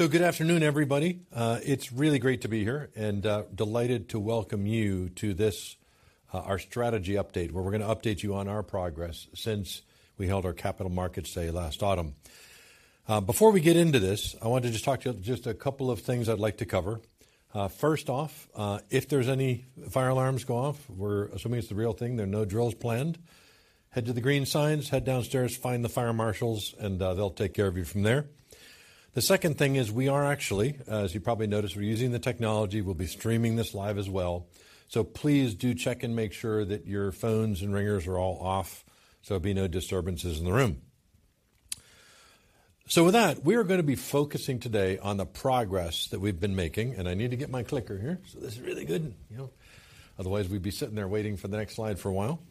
So good afternoon, everybody. It's really great to be here, and, delighted to welcome you to this, our strategy update, where we're gonna update you on our progress since we held our Capital Markets Day last autumn. Before we get into this, I want to just talk to you just a couple of things I'd like to cover. First off, if there's any fire alarms go off, we're assuming it's the real thing. There are no drills planned. Head to the green signs, head downstairs, find the fire marshals, and, they'll take care of you from there. The second thing is, we are actually, as you probably noticed, we're using the technology. We'll be streaming this live as well, so please do check and make sure that your phones and ringers are all off, so there'll be no disturbances in the room. So with that, we are gonna be focusing today on the progress that we've been making, and I need to get my clicker here, so this is really good. You know, otherwise we'd be sitting there waiting for the next slide for a while.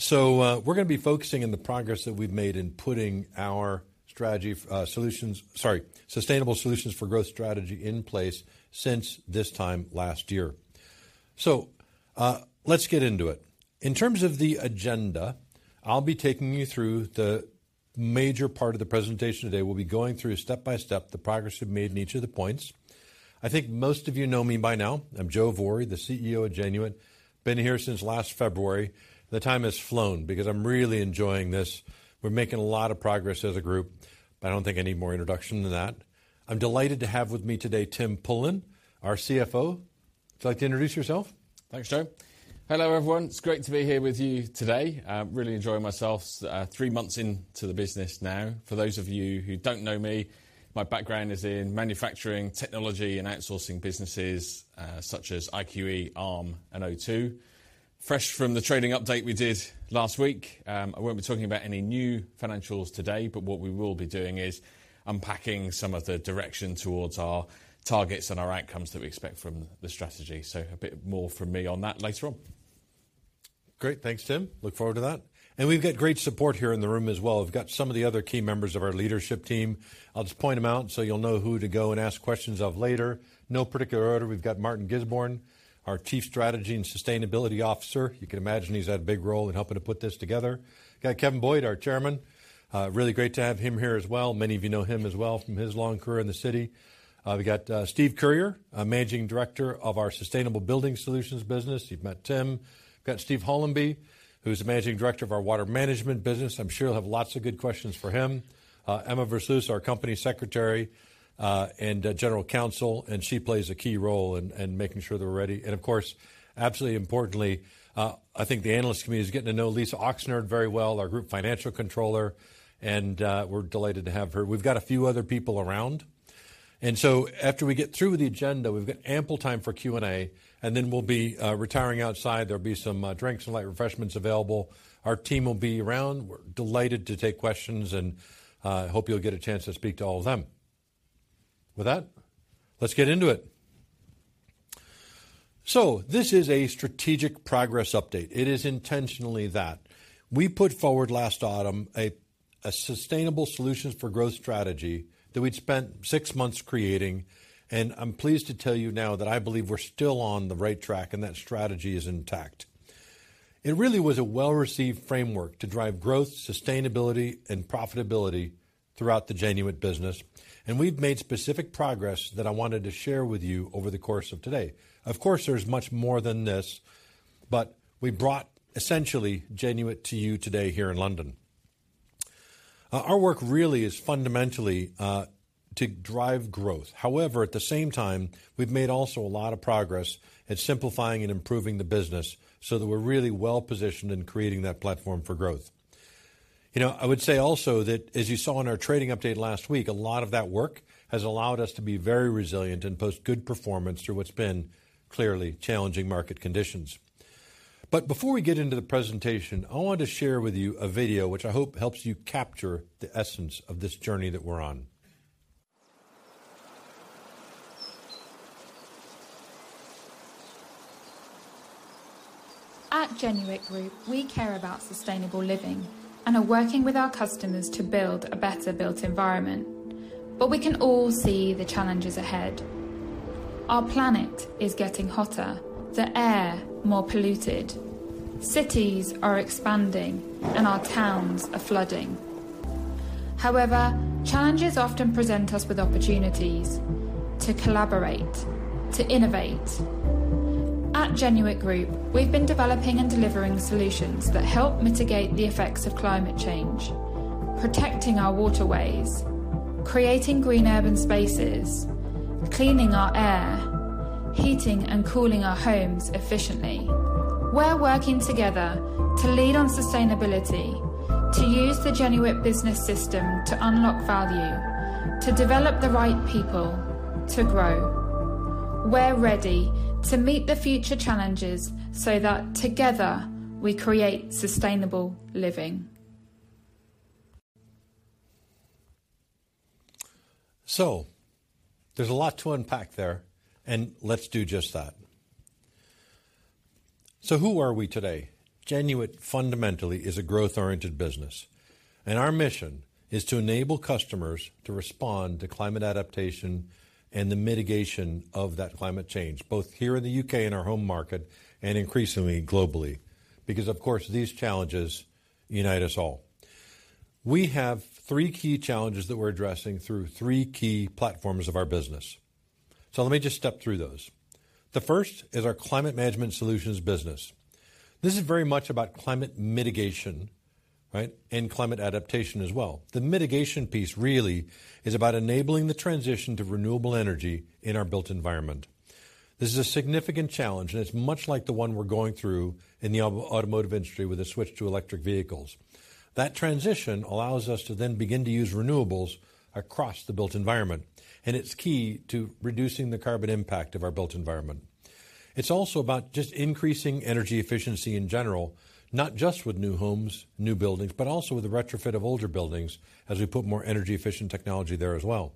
So, we're gonna be focusing on the progress that we've made in putting our strategy, Sustainable Solutions for Growth strategy in place since this time last year. So, let's get into it. In terms of the agenda, I'll be taking you through the major part of the presentation today. We'll be going through step by step, the progress we've made in each of the points. I think most of you know me by now. I'm Joe Vorih, the CEO of Genuit. Been here since last February. The time has flown because I'm really enjoying this. We're making a lot of progress as a group, but I don't think I need more introduction than that. I'm delighted to have with me today Tim Pullen, our CFO. Would you like to introduce yourself? Thanks, Joe. Hello, everyone. It's great to be here with you today. I'm really enjoying myself, three months into the business now. For those of you who don't know me, my background is in manufacturing, technology, and outsourcing businesses, such as IQE, Arm, and O2. Fresh from the trading update we did last week, I won't be talking about any new financials today, but what we will be doing is unpacking some of the direction towards our targets and our outcomes that we expect from the strategy. So a bit more from me on that later on. Great. Thanks, Tim. Look forward to that. We've got great support here in the room as well. We've got some of the other key members of our leadership team. I'll just point them out so you'll know who to go and ask questions of later. No particular order, we've got Martin Gisborne, our Chief Strategy and Sustainability Officer. You can imagine he's had a big role in helping to put this together. We've got Kevin Boyd, our Chairman. Really great to have him here as well. Many of you know him as well from his long career in the city. We've got Steve Currier, Managing Director of our Sustainable Building Solutions business. You've met Tim. We've got Steve Hollamby, who's the Managing Director of our Water Management business. I'm sure you'll have lots of good questions for him. Emma Versluys, our company secretary and general counsel, and she plays a key role in making sure they're ready. And of course, absolutely importantly, I think the analyst community is getting to know Lisa Oxnard very well, our Group Financial Controller, and we're delighted to have her. We've got a few other people around, and so after we get through the agenda, we've got ample time for Q&A, and then we'll be retiring outside. There'll be some drinks and light refreshments available. Our team will be around. We're delighted to take questions and hope you'll get a chance to speak to all of them. With that, let's get into it. So this is a strategic progress update. It is intentionally that. We put forward last autumn a sustainable solutions for growth strategy that we'd spent six months creating, and I'm pleased to tell you now that I believe we're still on the right track and that strategy is intact. It really was a well-received framework to drive growth, sustainability, and profitability throughout the Genuit business, and we've made specific progress that I wanted to share with you over the course of today. Of course, there's much more than this, but we brought essentially Genuit to you today here in London. Our work really is fundamentally to drive growth. However, at the same time, we've made also a lot of progress at simplifying and improving the business so that we're really well positioned in creating that platform for growth. You know, I would say also that as you saw in our trading update last week, a lot of that work has allowed us to be very resilient and post good performance through what's been clearly challenging market conditions. But before we get into the presentation, I want to share with you a video which I hope helps you capture the essence of this journey that we're on. At Genuit Group, we care about sustainable living and are working with our customers to build a better built environment. But we can all see the challenges ahead. Our planet is getting hotter, the air more polluted. Cities are expanding, and our towns are flooding. However, challenges often present us with opportunities to collaborate, to innovate. At Genuit Group, we've been developing and delivering solutions that help mitigate the effects of climate change, protecting our waterways, creating green urban spaces, cleaning our air, heating and cooling our homes efficiently. We're working together to lead on sustainability, to use the Genuit Business System to unlock value, to develop the right people, to grow. We're ready to meet the future challenges so that together, we create sustainable living. So there's a lot to unpack there, and let's do just that. So who are we today? Genuit, fundamentally, is a growth-oriented business, and our mission is to enable customers to respond to climate adaptation and the mitigation of that climate change, both here in the U.K., in our home market, and increasingly globally... because, of course, these challenges unite us all. We have three key challenges that we're addressing through three key platforms of our business. So let me just step through those. The first is our Climate Management Solutions business. This is very much about climate mitigation, right, and climate adaptation as well. The mitigation piece really is about enabling the transition to renewable energy in our built environment. This is a significant challenge, and it's much like the one we're going through in the automotive industry with the switch to electric vehicles. That transition allows us to then begin to use renewables across the built environment, and it's key to reducing the carbon impact of our built environment. It's also about just increasing energy efficiency in general, not just with new homes, new buildings, but also with the retrofit of older buildings as we put more energy-efficient technology there as well.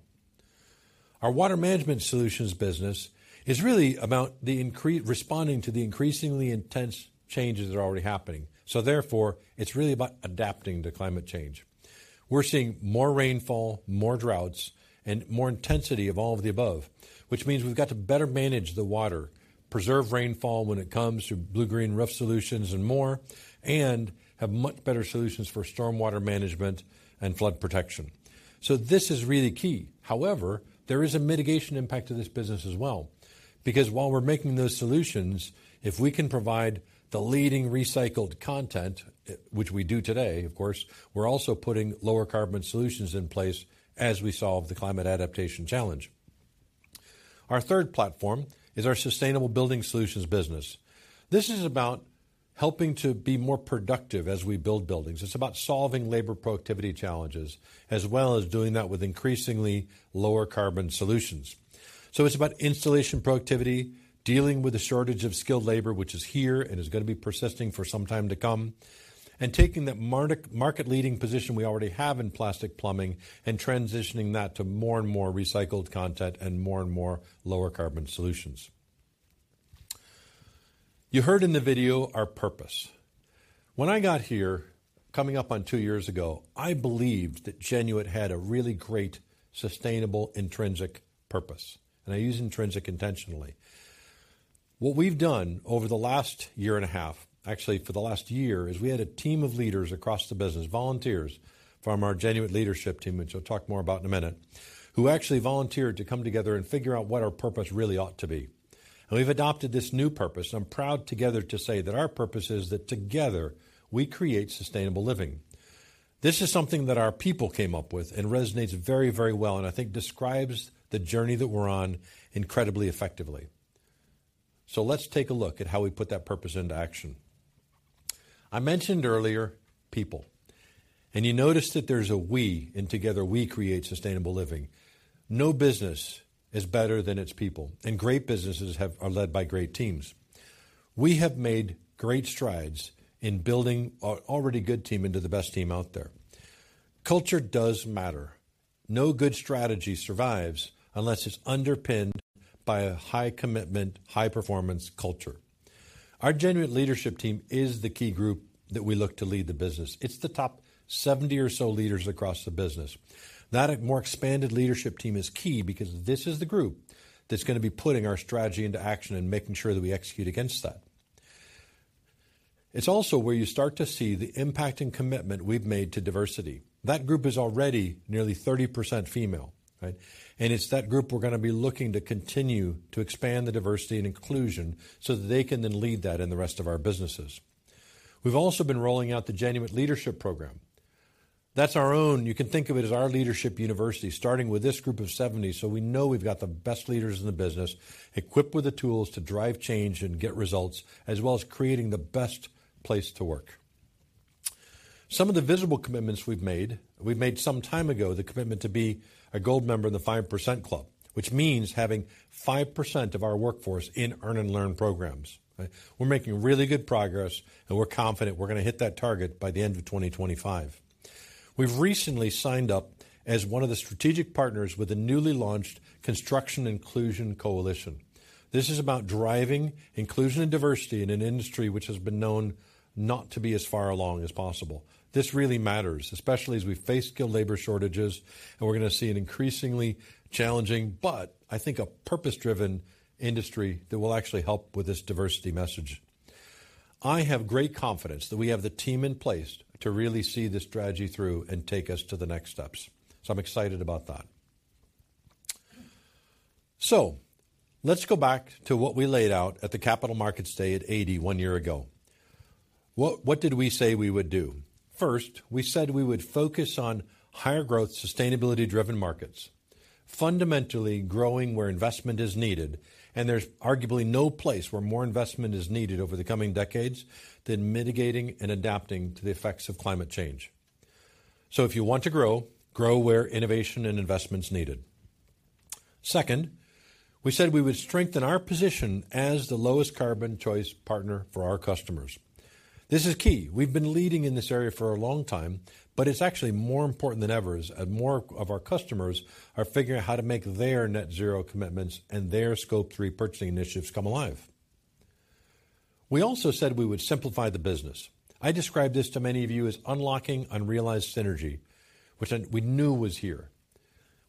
Our Water Management Solutions business is really about responding to the increasingly intense changes that are already happening. So therefore, it's really about adapting to climate change. We're seeing more rainfall, more droughts, and more intensity of all of the above, which means we've got to better manage the water, preserve rainfall when it comes, through blue-green roof solutions and more, and have much better solutions for stormwater management and flood protection. So this is really key. However, there is a mitigation impact to this business as well, because while we're making those solutions, if we can provide the leading recycled content, which we do today, of course, we're also putting lower carbon solutions in place as we solve the climate adaptation challenge. Our third platform is our Sustainable Building Solutions business. This is about helping to be more productive as we build buildings. It's about solving labor productivity challenges, as well as doing that with increasingly lower carbon solutions. So it's about installation productivity, dealing with the shortage of skilled labor, which is here and is going to be persisting for some time to come, and taking that market-leading position we already have in plastic plumbing and transitioning that to more and more recycled content and more and more lower carbon solutions. You heard in the video our purpose. When I got here, coming up on two years ago, I believed that Genuit had a really great, sustainable, intrinsic purpose, and I use intrinsic intentionally. What we've done over the last year and a half, actually for the last year, is we had a team of leaders across the business, volunteers from our Genuit Leadership Team, which I'll talk more about in a minute, who actually volunteered to come together and figure out what our purpose really ought to be. And we've adopted this new purpose. I'm proud together to say that our purpose is that together, we create sustainable living. This is something that our people came up with and resonates very, very well, and I think describes the journey that we're on incredibly effectively. So let's take a look at how we put that purpose into action. I mentioned earlier, people, and you notice that there's a we in together we create sustainable living. No business is better than its people, and great businesses have, are led by great teams. We have made great strides in building an already good team into the best team out there. Culture does matter. No good strategy survives unless it's underpinned by a high-commitment, high-performance culture. Our Genuit Leadership Team is the key group that we look to lead the business. It's the top 70 or so leaders across the business. That more expanded leadership team is key because this is the group that's going to be putting our strategy into action and making sure that we execute against that. It's also where you start to see the impact and commitment we've made to diversity. That group is already nearly 30% female, right? It's that group we're going to be looking to continue to expand the diversity and inclusion so that they can then lead that in the rest of our businesses. We've also been rolling out the Genuit Leadership Program. That's our own... You can think of it as our leadership university, starting with this group of 70%, so we know we've got the best leaders in the business, equipped with the tools to drive change and get results, as well as creating the best place to work. Some of the visible commitments we've made, we made some time ago, the commitment to be a gold member in The 5% Club, which means having 5% of our workforce in earn and learn programs. We're making really good progress, and we're confident we're going to hit that target by the end of 2025. We've recently signed up as one of the strategic partners with the newly launched Construction Inclusion Coalition. This is about driving inclusion and diversity in an industry which has been known not to be as far along as possible. This really matters, especially as we face skilled labor shortages, and we're going to see an increasingly challenging, but I think a purpose-driven industry that will actually help with this diversity message. I have great confidence that we have the team in place to really see this strategy through and take us to the next steps. So I'm excited about that. So let's go back to what we laid out at the Capital Markets Day at ADEY one year ago. What, what did we say we would do? First, we said we would focus on higher growth, sustainability-driven markets, fundamentally growing where investment is needed. And there's arguably no place where more investment is needed over the coming decades than mitigating and adapting to the effects of climate change. So if you want to grow, grow where innovation and investment's needed. Second, we said we would strengthen our position as the lowest carbon choice partner for our customers. This is key. We've been leading in this area for a long time, but it's actually more important than ever as more of our customers are figuring out how to make their net zero commitments and their Scope 3 purchasing initiatives come alive. We also said we would simplify the business. I described this to many of you as unlocking unrealized synergy, which then we knew was here....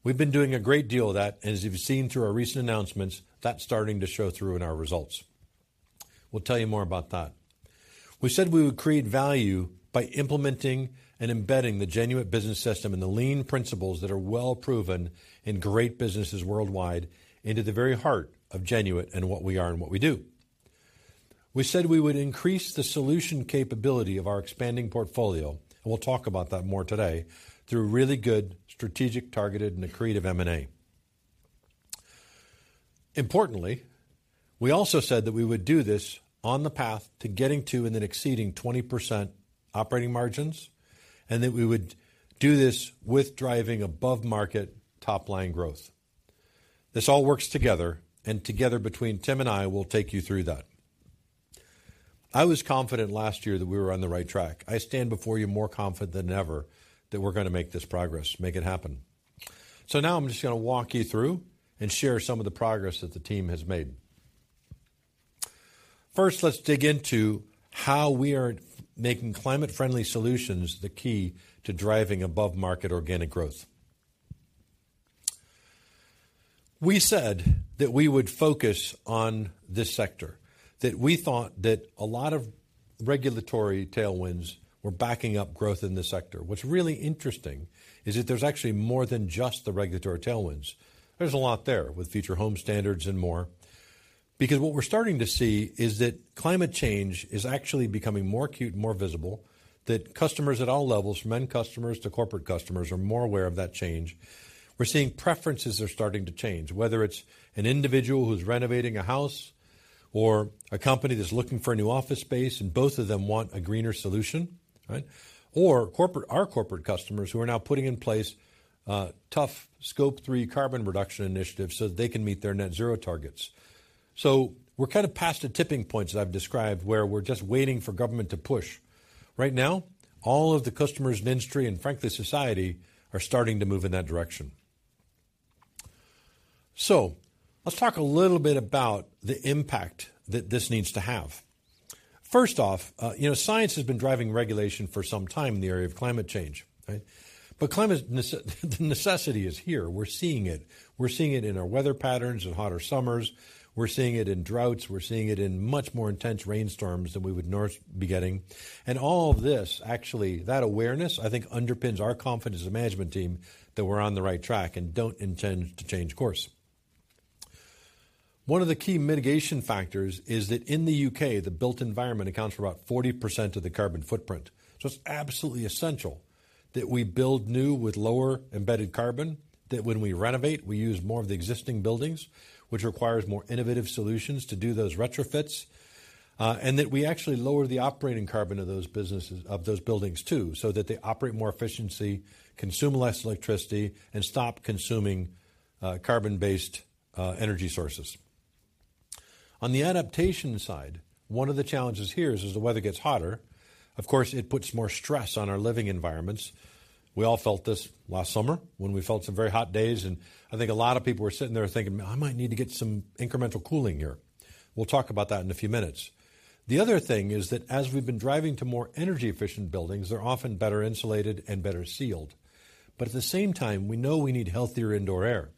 We've been doing a great deal of that, and as you've seen through our recent announcements, that's starting to show through in our results. We'll tell you more about that. We said we would create value by implementing and embedding the Genuit Business System and the lean principles that are well proven in great businesses worldwide into the very heart of Genuit and what we are and what we do. We said we would increase the solution capability of our expanding portfolio, and we'll talk about that more today, through really good strategic, targeted, and accretive M&A. Importantly, we also said that we would do this on the path to getting to and then exceeding 20% operating margins, and that we would do this with driving above-market top-line growth. This all works together, and together, between Tim and I, we'll take you through that. I was confident last year that we were on the right track. I stand before you more confident than ever that we're gonna make this progress, make it happen. Now I'm just gonna walk you through and share some of the progress that the team has made. First, let's dig into how we are making climate-friendly solutions the key to driving above-market organic growth. We said that we would focus on this sector, that we thought that a lot of regulatory tailwinds were backing up growth in this sector. What's really interesting is that there's actually more than just the regulatory tailwinds. There's a lot there, with Future Home Standards and more. Because what we're starting to see is that climate change is actually becoming more acute and more visible, that customers at all levels, from end customers to corporate customers, are more aware of that change. We're seeing preferences are starting to change, whether it's an individual who's renovating a house or a company that's looking for a new office space, and both of them want a greener solution, right? Or corporate, our corporate customers, who are now putting in place tough Scope 3 carbon reduction initiatives so that they can meet their net zero targets. So we're kind of past the tipping points that I've described, where we're just waiting for government to push. Right now, all of the customers in the industry and, frankly, society, are starting to move in that direction. So let's talk a little bit about the impact that this needs to have. First off, you know, science has been driving regulation for some time in the area of climate change, right? But the necessity is here. We're seeing it. We're seeing it in our weather patterns and hotter summers. We're seeing it in droughts. We're seeing it in much more intense rainstorms than we would normally be getting. And all of this, actually, that awareness, I think, underpins our confidence as a management team that we're on the right track and don't intend to change course. One of the key mitigation factors is that in the U.K., the built environment accounts for about 40% of the carbon footprint. So it's absolutely essential that we build new with lower embedded carbon, that when we renovate, we use more of the existing buildings, which requires more innovative solutions to do those retrofits. And that we actually lower the operating carbon of those businesses, of those buildings, too, so that they operate more efficiently, consume less electricity, and stop consuming carbon-based energy sources. On the adaptation side, one of the challenges here is as the weather gets hotter, of course, it puts more stress on our living environments. We all felt this last summer when we felt some very hot days, and I think a lot of people were sitting there thinking, "I might need to get some incremental cooling here." We'll talk about that in a few minutes. The other thing is that as we've been driving to more energy-efficient buildings, they're often better insulated and better sealed. But at the same time, we know we need healthier indoor air,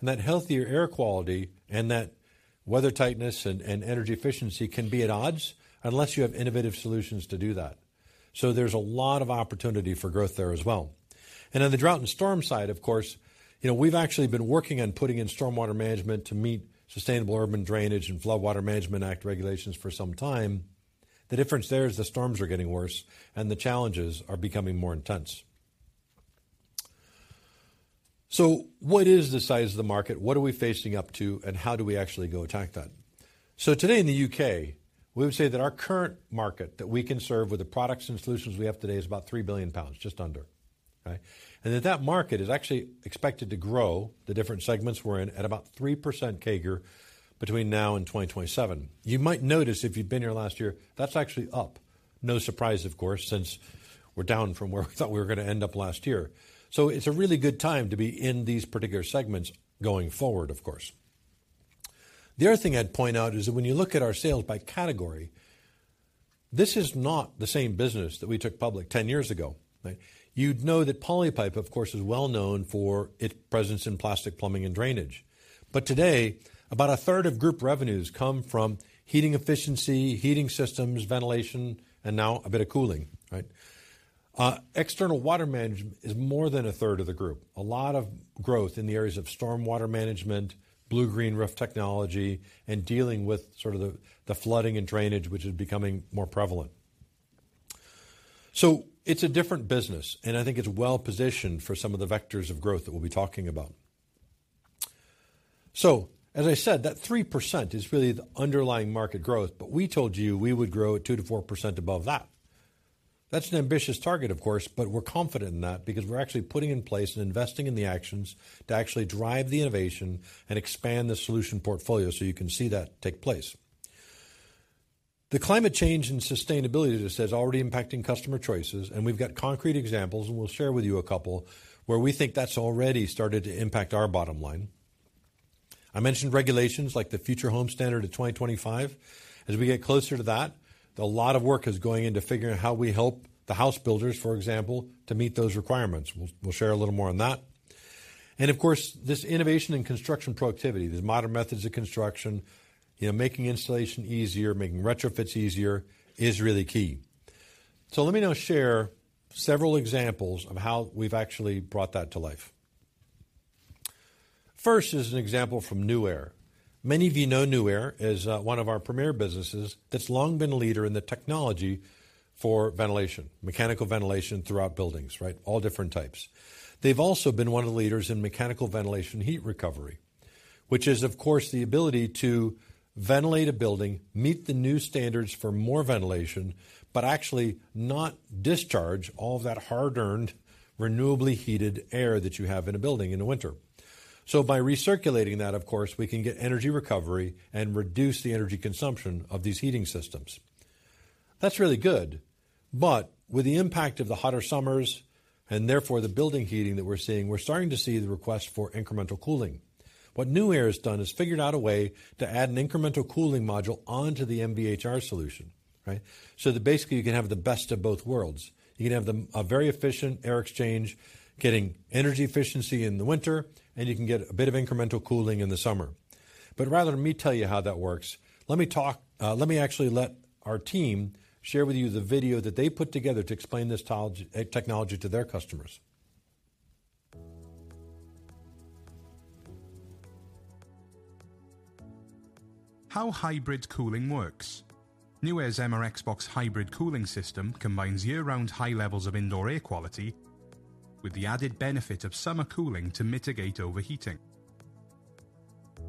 and that healthier air quality and that weather tightness and, and energy efficiency can be at odds unless you have innovative solutions to do that. So there's a lot of opportunity for growth there as well. On the drought and storm side, of course, you know, we've actually been working on putting in stormwater management to meet sustainable urban drainage and Flood and Water Management Act regulations for some time. The difference there is the storms are getting worse, and the challenges are becoming more intense. So what is the size of the market? What are we facing up to, and how do we actually go attack that? So today in the U.K., we would say that our current market that we can serve with the products and solutions we have today is about 3 billion pounds, just under. Right? And that market is actually expected to grow the different segments we're in at about 3% CAGR between now and 2027. You might notice if you'd been here last year, that's actually up. No surprise, of course, since we're down from where we thought we were gonna end up last year. So it's a really good time to be in these particular segments going forward, of course. The other thing I'd point out is that when you look at our sales by category, this is not the same business that we took public 10 years ago, right? You'd know that Polypipe, of course, is well known for its presence in plastic plumbing and drainage. But today, about a third of group revenues come from heating efficiency, heating systems, ventilation, and now a bit of cooling, right? External water management is more than a third of the group. A lot of growth in the areas of storm water management, blue-green roof technology, and dealing with sort of the flooding and drainage, which is becoming more prevalent. So it's a different business, and I think it's well-positioned for some of the vectors of growth that we'll be talking about. So, as I said, that 3% is really the underlying market growth, but we told you we would grow at 2%-4% above that. That's an ambitious target, of course, but we're confident in that because we're actually putting in place and investing in the actions to actually drive the innovation and expand the solution portfolio so you can see that take place. The climate change and sustainability, this is already impacting customer choices, and we've got concrete examples, and we'll share with you a couple, where we think that's already started to impact our bottom line. I mentioned regulations like the Future Homes Standard 2025. As we get closer to that, a lot of work is going into figuring out how we help the house builders, for example, to meet those requirements. We'll, we'll share a little more on that. And of course, this innovation in construction productivity, the modern methods of construction, you know, making installation easier, making retrofits easier, is really key. So let me now share several examples of how we've actually brought that to life. First is an example from Nuaire. Many of you know Nuaire as one of our premier businesses that's long been a leader in the technology for ventilation, mechanical ventilation throughout buildings, right? All different types. They've also been one of the leaders in mechanical ventilation heat recovery, which is, of course, the ability to ventilate a building, meet the new standards for more ventilation, but actually not discharge all of that hard-earned, renewably heated air that you have in a building in the winter. So by recirculating that, of course, we can get energy recovery and reduce the energy consumption of these heating systems. That's really good, but with the impact of the hotter summers, and therefore the building heating that we're seeing, we're starting to see the request for incremental cooling. What Nuaire has done is figured out a way to add an incremental cooling module onto the MVHR solution, right? So that basically, you can have the best of both worlds. You can have a very efficient air exchange, getting energy efficiency in the winter, and you can get a bit of incremental cooling in the summer. But rather than me tell you how that works, let me actually let our team share with you the video that they put together to explain this technology to their customers. How hybrid cooling works. Nuaire's MRXBOX Hybrid Cooling System combines year-round high levels of indoor air quality with the added benefit of summer cooling to mitigate overheating.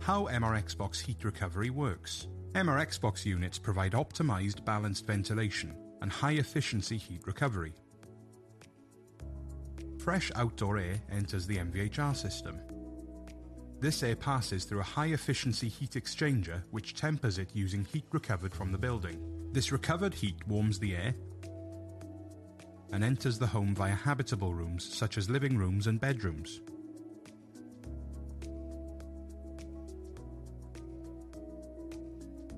How MRXBOX heat recovery works. MRXBOX units provide optimized, balanced ventilation and high-efficiency heat recovery. Fresh outdoor air enters the MVHR system. This air passes through a high-efficiency heat exchanger, which tempers it using heat recovered from the building. This recovered heat warms the air and enters the home via habitable rooms, such as living rooms and bedrooms.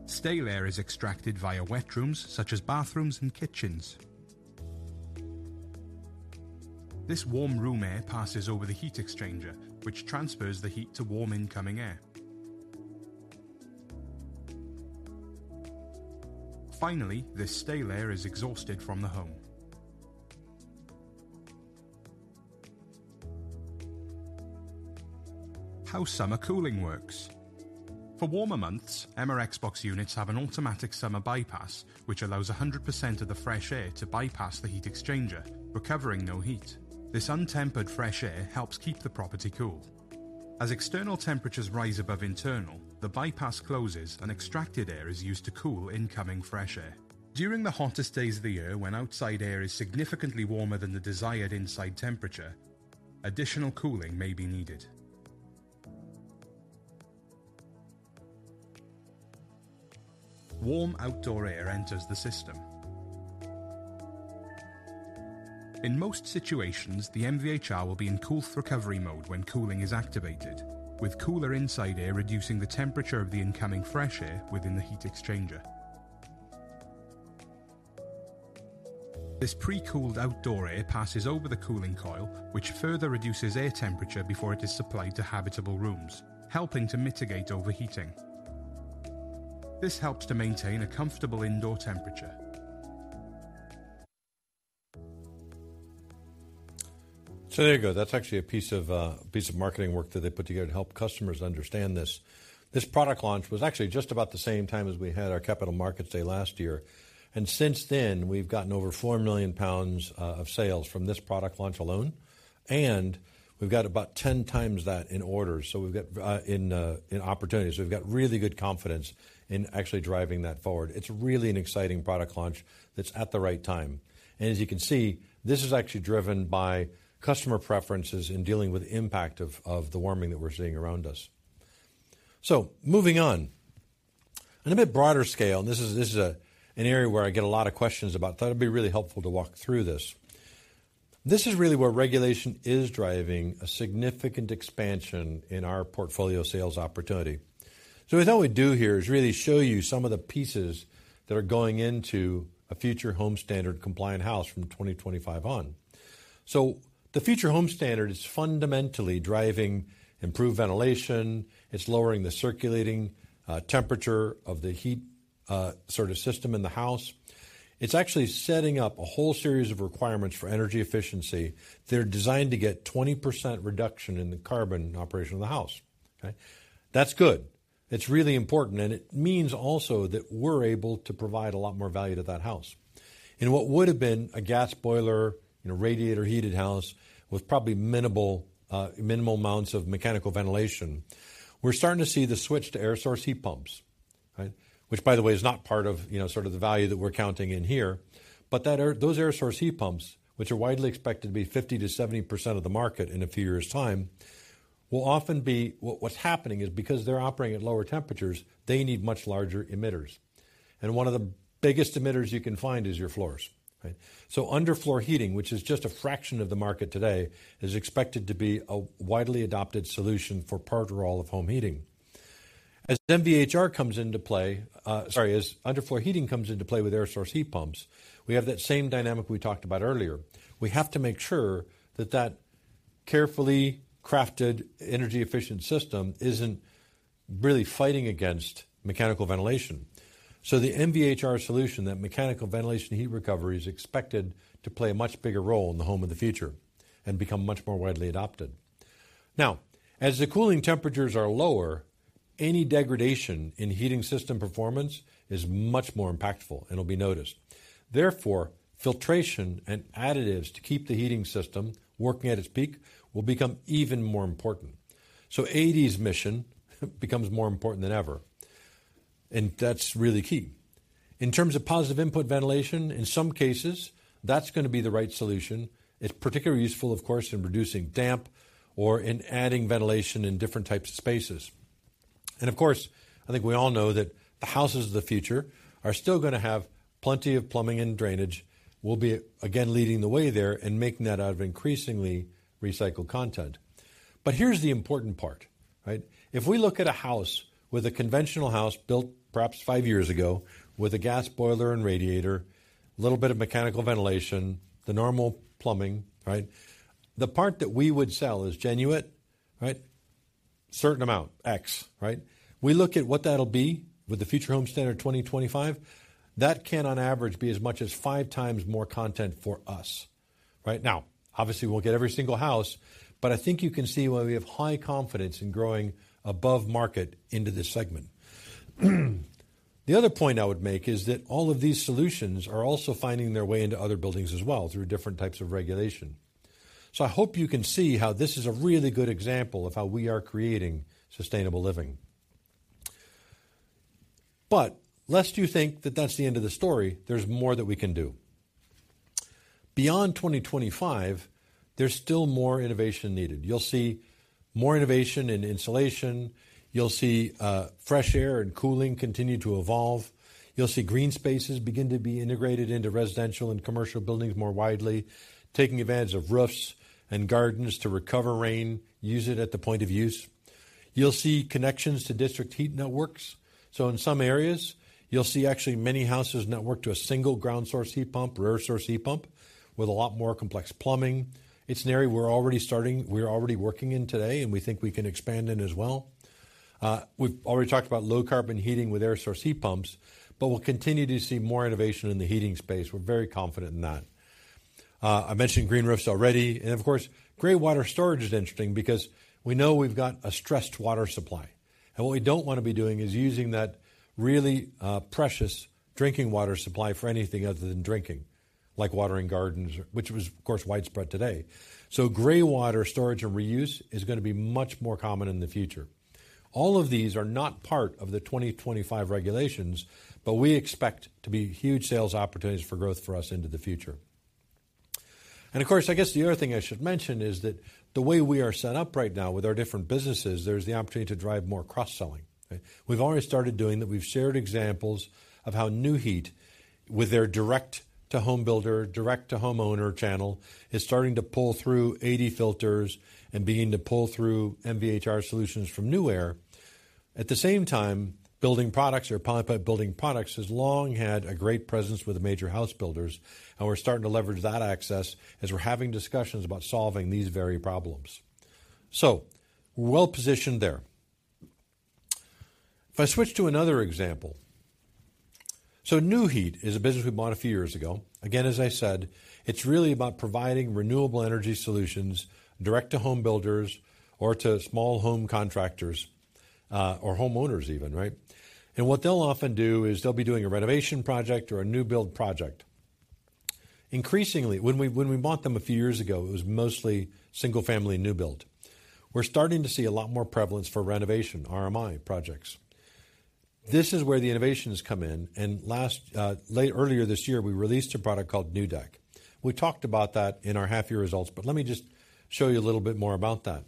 Stale air is extracted via wet rooms, such as bathrooms and kitchens. This warm room air passes over the heat exchanger, which transfers the heat to warm incoming air. Finally, this stale air is exhausted from the home. How summer cooling works. For warmer months, MRXBOX units have an automatic summer bypass, which allows 100% of the fresh air to bypass the heat exchanger, recovering no heat. This untempered fresh air helps keep the property cool. As external temperatures rise above internal, the bypass closes, and extracted air is used to cool incoming fresh air. During the hottest days of the year, when outside air is significantly warmer than the desired inside temperature, additional cooling may be needed. Warm outdoor air enters the system. In most situations, the MVHR will be in coolth recovery mode when cooling is activated, with cooler inside air reducing the temperature of the incoming fresh air within the heat exchanger. This pre-cooled outdoor air passes over the cooling coil, which further reduces air temperature before it is supplied to habitable rooms, helping to mitigate overheating. This helps to maintain a comfortable indoor temperature. So there you go. That's actually a piece of, piece of marketing work that they put together to help customers understand this. This product launch was actually just about the same time as we had our Capital Markets Day last year, and since then, we've gotten over 4 million pounds of sales from this product launch alone, and we've got about 10x that in orders. So we've got in opportunities. So we've got really good confidence in actually driving that forward. It's really an exciting product launch that's at the right time. And as you can see, this is actually driven by customer preferences in dealing with the impact of, of the warming that we're seeing around us. So moving on. On a bit broader scale, and this is, this is, an area where I get a lot of questions about. I thought it'd be really helpful to walk through this. This is really where regulation is driving a significant expansion in our portfolio sales opportunity. So what we thought we'd do here is really show you some of the pieces that are going into a Future Homes Standard-compliant house from 2025 on. So the Future Homes Standard is fundamentally driving improved ventilation. It's lowering the circulating temperature of the heat sort of system in the house. It's actually setting up a whole series of requirements for energy efficiency that are designed to get 20% reduction in the carbon operation of the house, okay? That's good. It's really important, and it means also that we're able to provide a lot more value to that house. In what would have been a gas boiler in a radiator-heated house with probably minimal, minimal amounts of mechanical ventilation, we're starting to see the switch to air source heat pumps, right? Which, by the way, is not part of, you know, sort of the value that we're counting in here. But that air... those air source heat pumps, which are widely expected to be 50%-70% of the market in a few years' time, will often be-- what, what's happening is because they're operating at lower temperatures, they need much larger emitters.... and one of the biggest emitters you can find is your floors, right? So underfloor heating, which is just a fraction of the market today, is expected to be a widely adopted solution for part or all of home heating. As underfloor heating comes into play with air source heat pumps, we have that same dynamic we talked about earlier. We have to make sure that that carefully crafted energy-efficient system isn't really fighting against mechanical ventilation. So the MVHR solution, that mechanical ventilation heat recovery, is expected to play a much bigger role in the home of the future and become much more widely adopted. Now, as the cooling temperatures are lower, any degradation in heating system performance is much more impactful and will be noticed. Therefore, filtration and additives to keep the heating system working at its peak will become even more important. So ADEY's mission becomes more important than ever, and that's really key. In terms of positive input ventilation, in some cases, that's gonna be the right solution. It's particularly useful, of course, in reducing damp or in adding ventilation in different types of spaces. And of course, I think we all know that the houses of the future are still gonna have plenty of plumbing and drainage. We'll be again, leading the way there and making that out of increasingly recycled content. But here's the important part, right? If we look at a house with a conventional house built perhaps five years ago, with a gas boiler and radiator, little bit of mechanical ventilation, the normal plumbing, right? The part that we would sell is Genuit, right? Certain amount X, right? We look at what that'll be with the Future Homes Standard 2025, that can on average, be as much as five times more content for us. Right now, obviously, we'll get every single house, but I think you can see why we have high confidence in growing above market into this segment. The other point I would make is that all of these solutions are also finding their way into other buildings as well, through different types of regulation. So I hope you can see how this is a really good example of how we are creating sustainable living. But lest you think that that's the end of the story, there's more that we can do. Beyond 2025, there's still more innovation needed. You'll see more innovation in insulation. You'll see fresh air and cooling continue to evolve. You'll see green spaces begin to be integrated into residential and commercial buildings more widely, taking advantage of roofs and gardens to recover rain, use it at the point of use. You'll see connections to district heat networks. So in some areas, you'll see actually many houses networked to a single ground source heat pump or air source heat pump with a lot more complex plumbing. It's an area we're already working in today, and we think we can expand in as well. We've already talked about low carbon heating with air source heat pumps, but we'll continue to see more innovation in the heating space. We're very confident in that. I mentioned green roofs already, and of course, greywater storage is interesting because we know we've got a stressed water supply. And what we don't want to be doing is using that really precious drinking water supply for anything other than drinking, like watering gardens, which was, of course, widespread today. Graywater storage and reuse is gonna be much more common in the future. All of these are not part of the 2025 regulations, but we expect to be huge sales opportunities for growth for us into the future. Of course, I guess the other thing I should mention is that the way we are set up right now with our different businesses, there's the opportunity to drive more cross-selling, okay? We've already started doing that. We've shared examples of how Nu-Heat, with their direct to home builder, direct to homeowner channel, is starting to pull through ADEY filters and beginning to pull through MVHR solutions from Nuaire. At the same time, building products or Polypipe Building Products has long had a great presence with the major house builders, and we're starting to leverage that access as we're having discussions about solving these very problems. So we're well positioned there. If I switch to another example, so Nu-Heat is a business we bought a few years ago. Again, as I said, it's really about providing renewable energy solutions direct to home builders or to small home contractors, or homeowners even, right? And what they'll often do is they'll be doing a renovation project or a new build project. Increasingly, when we bought them a few years ago, it was mostly single-family new build. We're starting to see a lot more prevalence for renovation, RMI projects. This is where the innovations come in, and earlier this year, we released a product called Nu-Deck. We talked about that in our half-year results, but let me just show you a little bit more about that.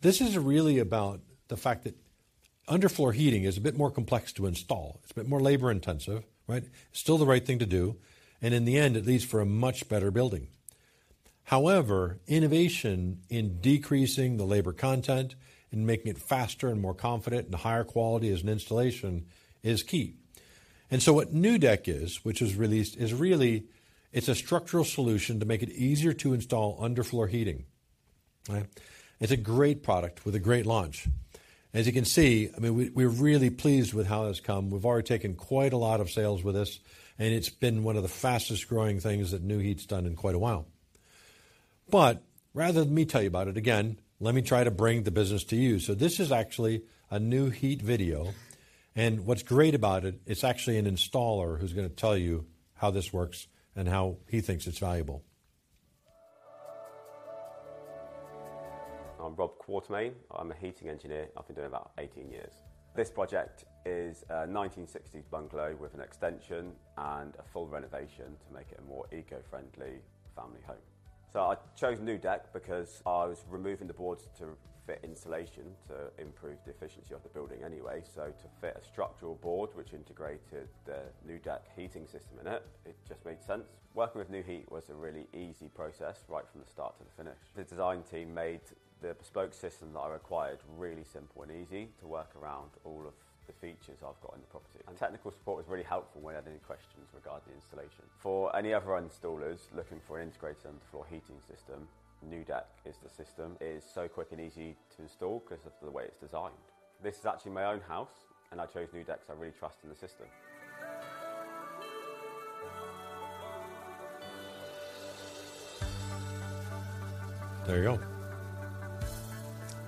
This is really about the fact that underfloor heating is a bit more complex to install. It's a bit more labor-intensive, right? Still the right thing to do, and in the end, it leads for a much better building. However, innovation in decreasing the labor content and making it faster and more confident and higher quality as an installation is key. And so what Nu-Deck is, which was released, is really, it's a structural solution to make it easier to install underfloor heating. Right? It's a great product with a great launch. As you can see, I mean, we, we're really pleased with how this come. We've already taken quite a lot of sales with this, and it's been one of the fastest-growing things that Nu-Heat's done in quite a while. But rather than me tell you about it again, let me try to bring the business to you. This is actually a Nu-Heat video, and what's great about it, it's actually an installer who's gonna tell you how this works and how he thinks it's valuable. I'm Rob Quartermain. I'm a heating engineer. I've been doing it about 18 years. This project is a 1960 bungalow with an extension and a full renovation to make it a more eco-friendly family home. So I chose Nu-Deck because I was removing the boards to fit insulation to improve the efficiency of the building anyway. So to fit a structural board which integrated the Nu-Deck heating system in it, it just made sense. Working with Nu-Heat was a really easy process, right from the start to the finish. The design team made the bespoke system that I required really simple and easy to work around all of the features I've got in the property. And technical support was really helpful when I had any questions regarding the installation. For any other installers looking for an integrated underfloor heating system, Nu-Deck is the system. It is so quick and easy to install 'cause of the way it's designed. This is actually my own house, and I chose Nu-Deck 'cause I really trust in the system. There you go.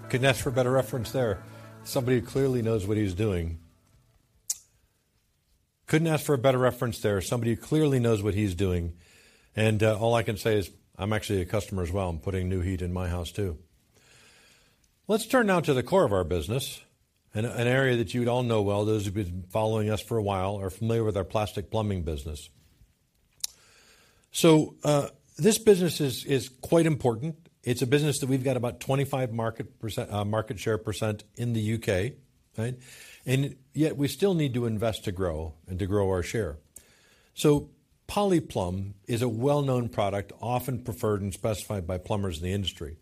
Couldn't ask for a better reference there. Somebody who clearly knows what he's doing. Couldn't ask for a better reference there. Somebody who clearly knows what he's doing, and, all I can say is I'm actually a customer as well. I'm putting Nu-Heat in my house, too. Let's turn now to the core of our business, and an area that you'd all know well, those who've been following us for a while, are familiar with our plastic plumbing business. So, this business is quite important. It's a business that we've got about 25% market share in the U.K., right? And yet we still need to invest to grow and to grow our share. So PolyPlumb is a well-known product, often preferred and specified by plumbers in the industry.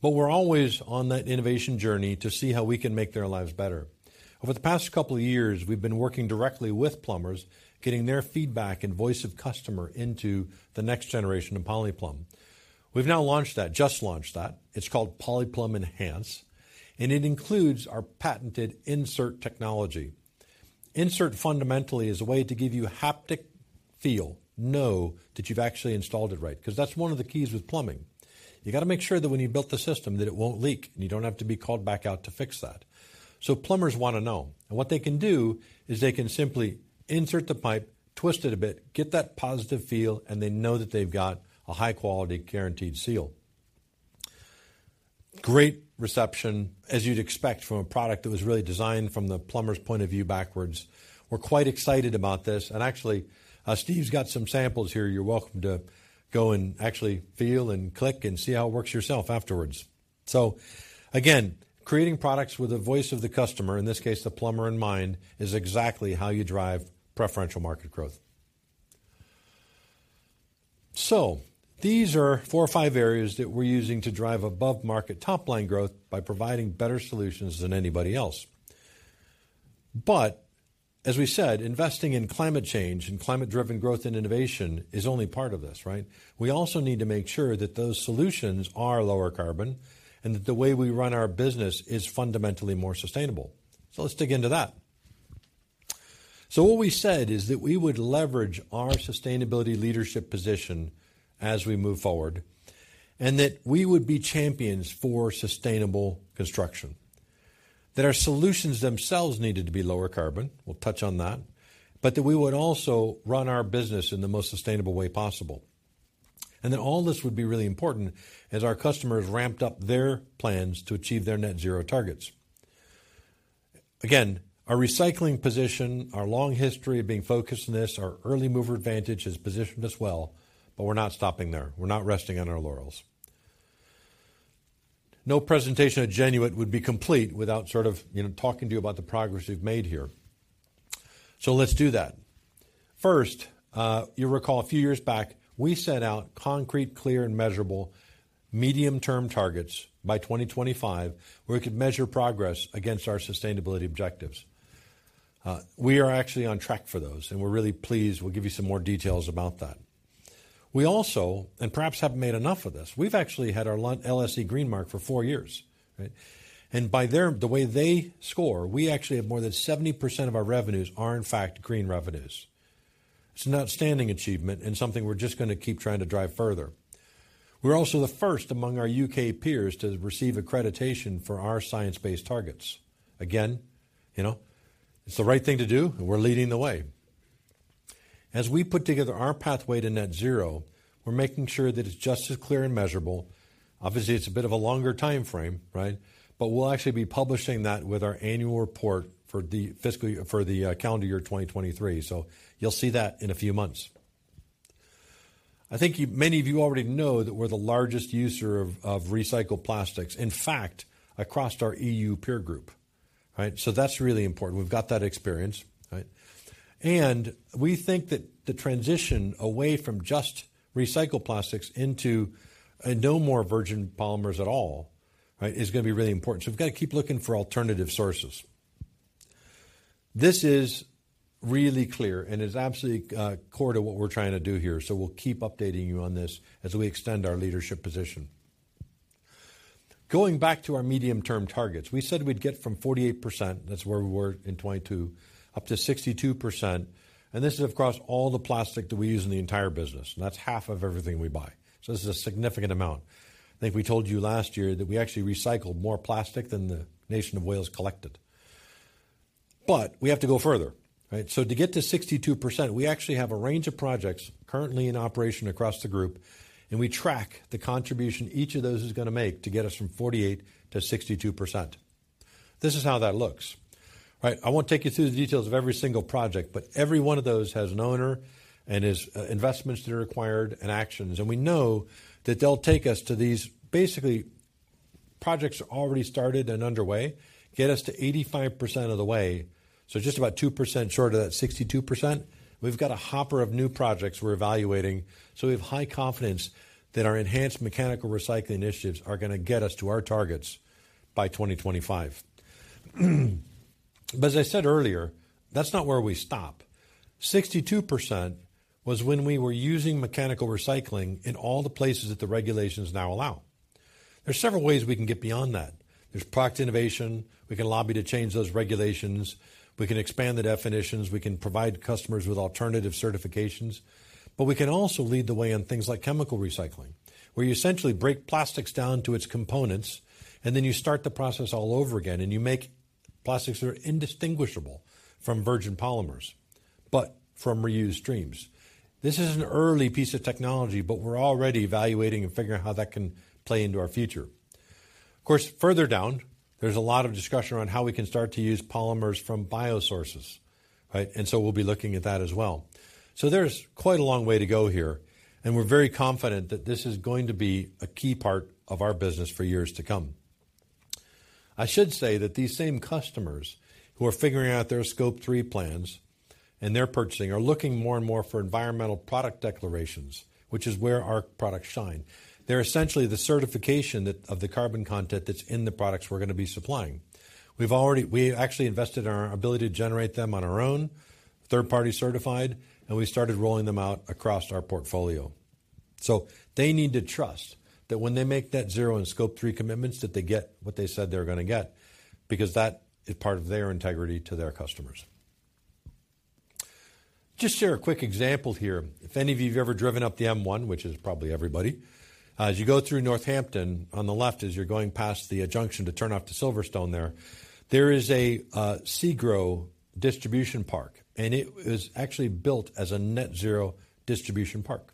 We're always on that innovation journey to see how we can make their lives better. Over the past couple of years, we've been working directly with plumbers, getting their feedback and voice of customer into the next generation of PolyPlumb. We've now launched that, just launched that. It's called PolyPlumb Enhanced, and it includes our patented In-Cert technology. In-Cert fundamentally is a way to give you haptic feel, know that you've actually installed it right, 'cause that's one of the keys with plumbing. You gotta make sure that when you've built the system, that it won't leak, and you don't have to be called back out to fix that. So plumbers wanna know, and what they can do is they can simply insert the pipe, twist it a bit, get that positive feel, and they know that they've got a high-quality, guaranteed seal. Great reception, as you'd expect from a product that was really designed from the plumber's point of view backwards. We're quite excited about this, and actually, Steve's got some samples here. You're welcome to go and actually feel and click and see how it works yourself afterwards. So again, creating products with the voice of the customer, in this case, the plumber in mind, is exactly how you drive preferential market growth. So these are four or five areas that we're using to drive above-market top-line growth by providing better solutions than anybody else. But as we said, investing in climate change and climate-driven growth and innovation is only part of this, right? We also need to make sure that those solutions are lower carbon and that the way we run our business is fundamentally more sustainable. So let's dig into that. So what we said is that we would leverage our sustainability leadership position as we move forward, and that we would be champions for sustainable construction, that our solutions themselves needed to be lower carbon. We'll touch on that, but that we would also run our business in the most sustainable way possible. And then all this would be really important as our customers ramped up their plans to achieve their net zero targets. Again, our recycling position, our long history of being focused on this, our early mover advantage has positioned us well, but we're not stopping there. We're not resting on our laurels. No presentation at Genuit would be complete without sort of talking to you about the progress we've made here. So let's do that. First, you'll recall a few years back, we set out concrete, clear, and measurable medium-term targets by 2025, where we could measure progress against our sustainability objectives. We are actually on track for those, and we're really pleased. We'll give you some more details about that. We also, and perhaps haven't made enough of this, we've actually had our LSE Green Mark for four years, right? And by the way they score, we actually have more than 70% of our revenues are, in fact, green revenues. It's an outstanding achievement and something we're just gonna keep trying to drive further. We're also the first among our U.K. peers to receive accreditation for our science-based targets. Again, you know, it's the right thing to do, and we're leading the way. As we put together our pathway to net zero, we're making sure that it's just as clear and measurable. Obviously, it's a bit of a longer timeframe, right? But we'll actually be publishing that with our annual report for the fiscal year, for the calendar year 2023. So you'll see that in a few months. I think you, many of you already know that we're the largest user of recycled plastics, in fact, across our E.U. peer group. Right? So that's really important. We've got that experience, right? And we think that the transition away from just recycled plastics into no more virgin polymers at all, right, is gonna be really important. So we've got to keep looking for alternative sources. This is really clear and is absolutely core to what we're trying to do here, so we'll keep updating you on this as we extend our leadership position. Going back to our medium-term targets, we said we'd get from 48%, that's where we were in 2022, up to 62%, and this is across all the plastic that we use in the entire business, and that's half of everything we buy. So this is a significant amount. I think we told you last year that we actually recycled more plastic than the nation of Wales collected. But we have to go further, right? So to get to 62%, we actually have a range of projects currently in operation across the group, and we track the contribution each of those is gonna make to get us from 48% to 62%.... This is how that looks, right? I won't take you through the details of every single project, but every one of those has an owner and is investments that are required and actions. And we know that they'll take us to these, basically, projects already started and underway, get us to 85% of the way, so just about 2% short of that 62%. We've got a hopper of new projects we're evaluating, so we have high confidence that our enhanced mechanical recycling initiatives are going to get us to our targets by 2025. But as I said earlier, that's not where we stop. Sixty-two percent was when we were using mechanical recycling in all the places that the regulations now allow. There's several ways we can get beyond that. There's product innovation, we can lobby to change those regulations, we can expand the definitions, we can provide customers with alternative certifications, but we can also lead the way on things like chemical recycling, where you essentially break plastics down to its components, and then you start the process all over again, and you make plastics that are indistinguishable from virgin polymers, but from reused streams. This is an early piece of technology, but we're already evaluating and figuring out how that can play into our future. Of course, further down, there's a lot of discussion around how we can start to use polymers from bio sources, right? And so we'll be looking at that as well. So there's quite a long way to go here, and we're very confident that this is going to be a key part of our business for years to come. I should say that these same customers who are figuring out their Scope 3 plans and their purchasing are looking more and more for environmental product declarations, which is where our products shine. They're essentially the certification of the carbon content that's in the products we're going to be supplying. We actually invested in our ability to generate them on our own, third-party certified, and we started rolling them out across our portfolio. So they need to trust that when they make that net zero and Scope 3 commitments, that they get what they said they were going to get, because that is part of their integrity to their customers. Just share a quick example here. If any of you've ever driven up the M1, which is probably everybody, as you go through Northampton, on the left, as you're going past the junction to turn off to Silverstone there, there is a, SEGRO distribution park, and it was actually built as a net zero distribution park.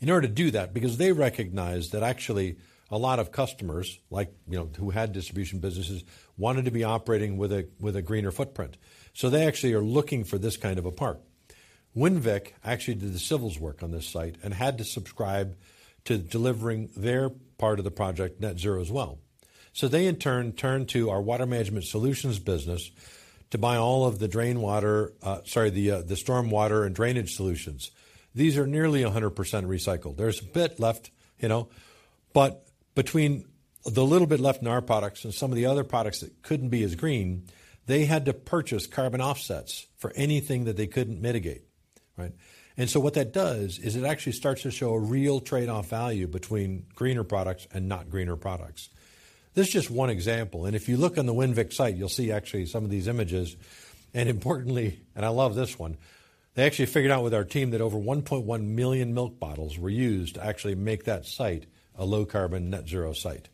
In order to do that, because they recognized that actually a lot of customers like, you know, who had distribution businesses, wanted to be operating with a, with a greener footprint. So they actually are looking for this kind of a park. Winvic actually did the civils work on this site and had to subscribe to delivering their part of the project net zero as well. So they, in turn, turned to our Water Management Solutions business to buy all of the drain water, sorry, the, the storm water and drainage solutions. These are nearly 100% recycled. There's a bit left, you know, but between the little bit left in our products and some of the other products that couldn't be as green, they had to purchase carbon offsets for anything that they couldn't mitigate, right? And so what that does is it actually starts to show a real trade-off value between greener products and not greener products. This is just one example, and if you look on the Winvic site, you'll see actually some of these images. And importantly, and I love this one, they actually figured out with our team that over 1.1 million milk bottles were used to actually make that site a low-carbon, net zero site.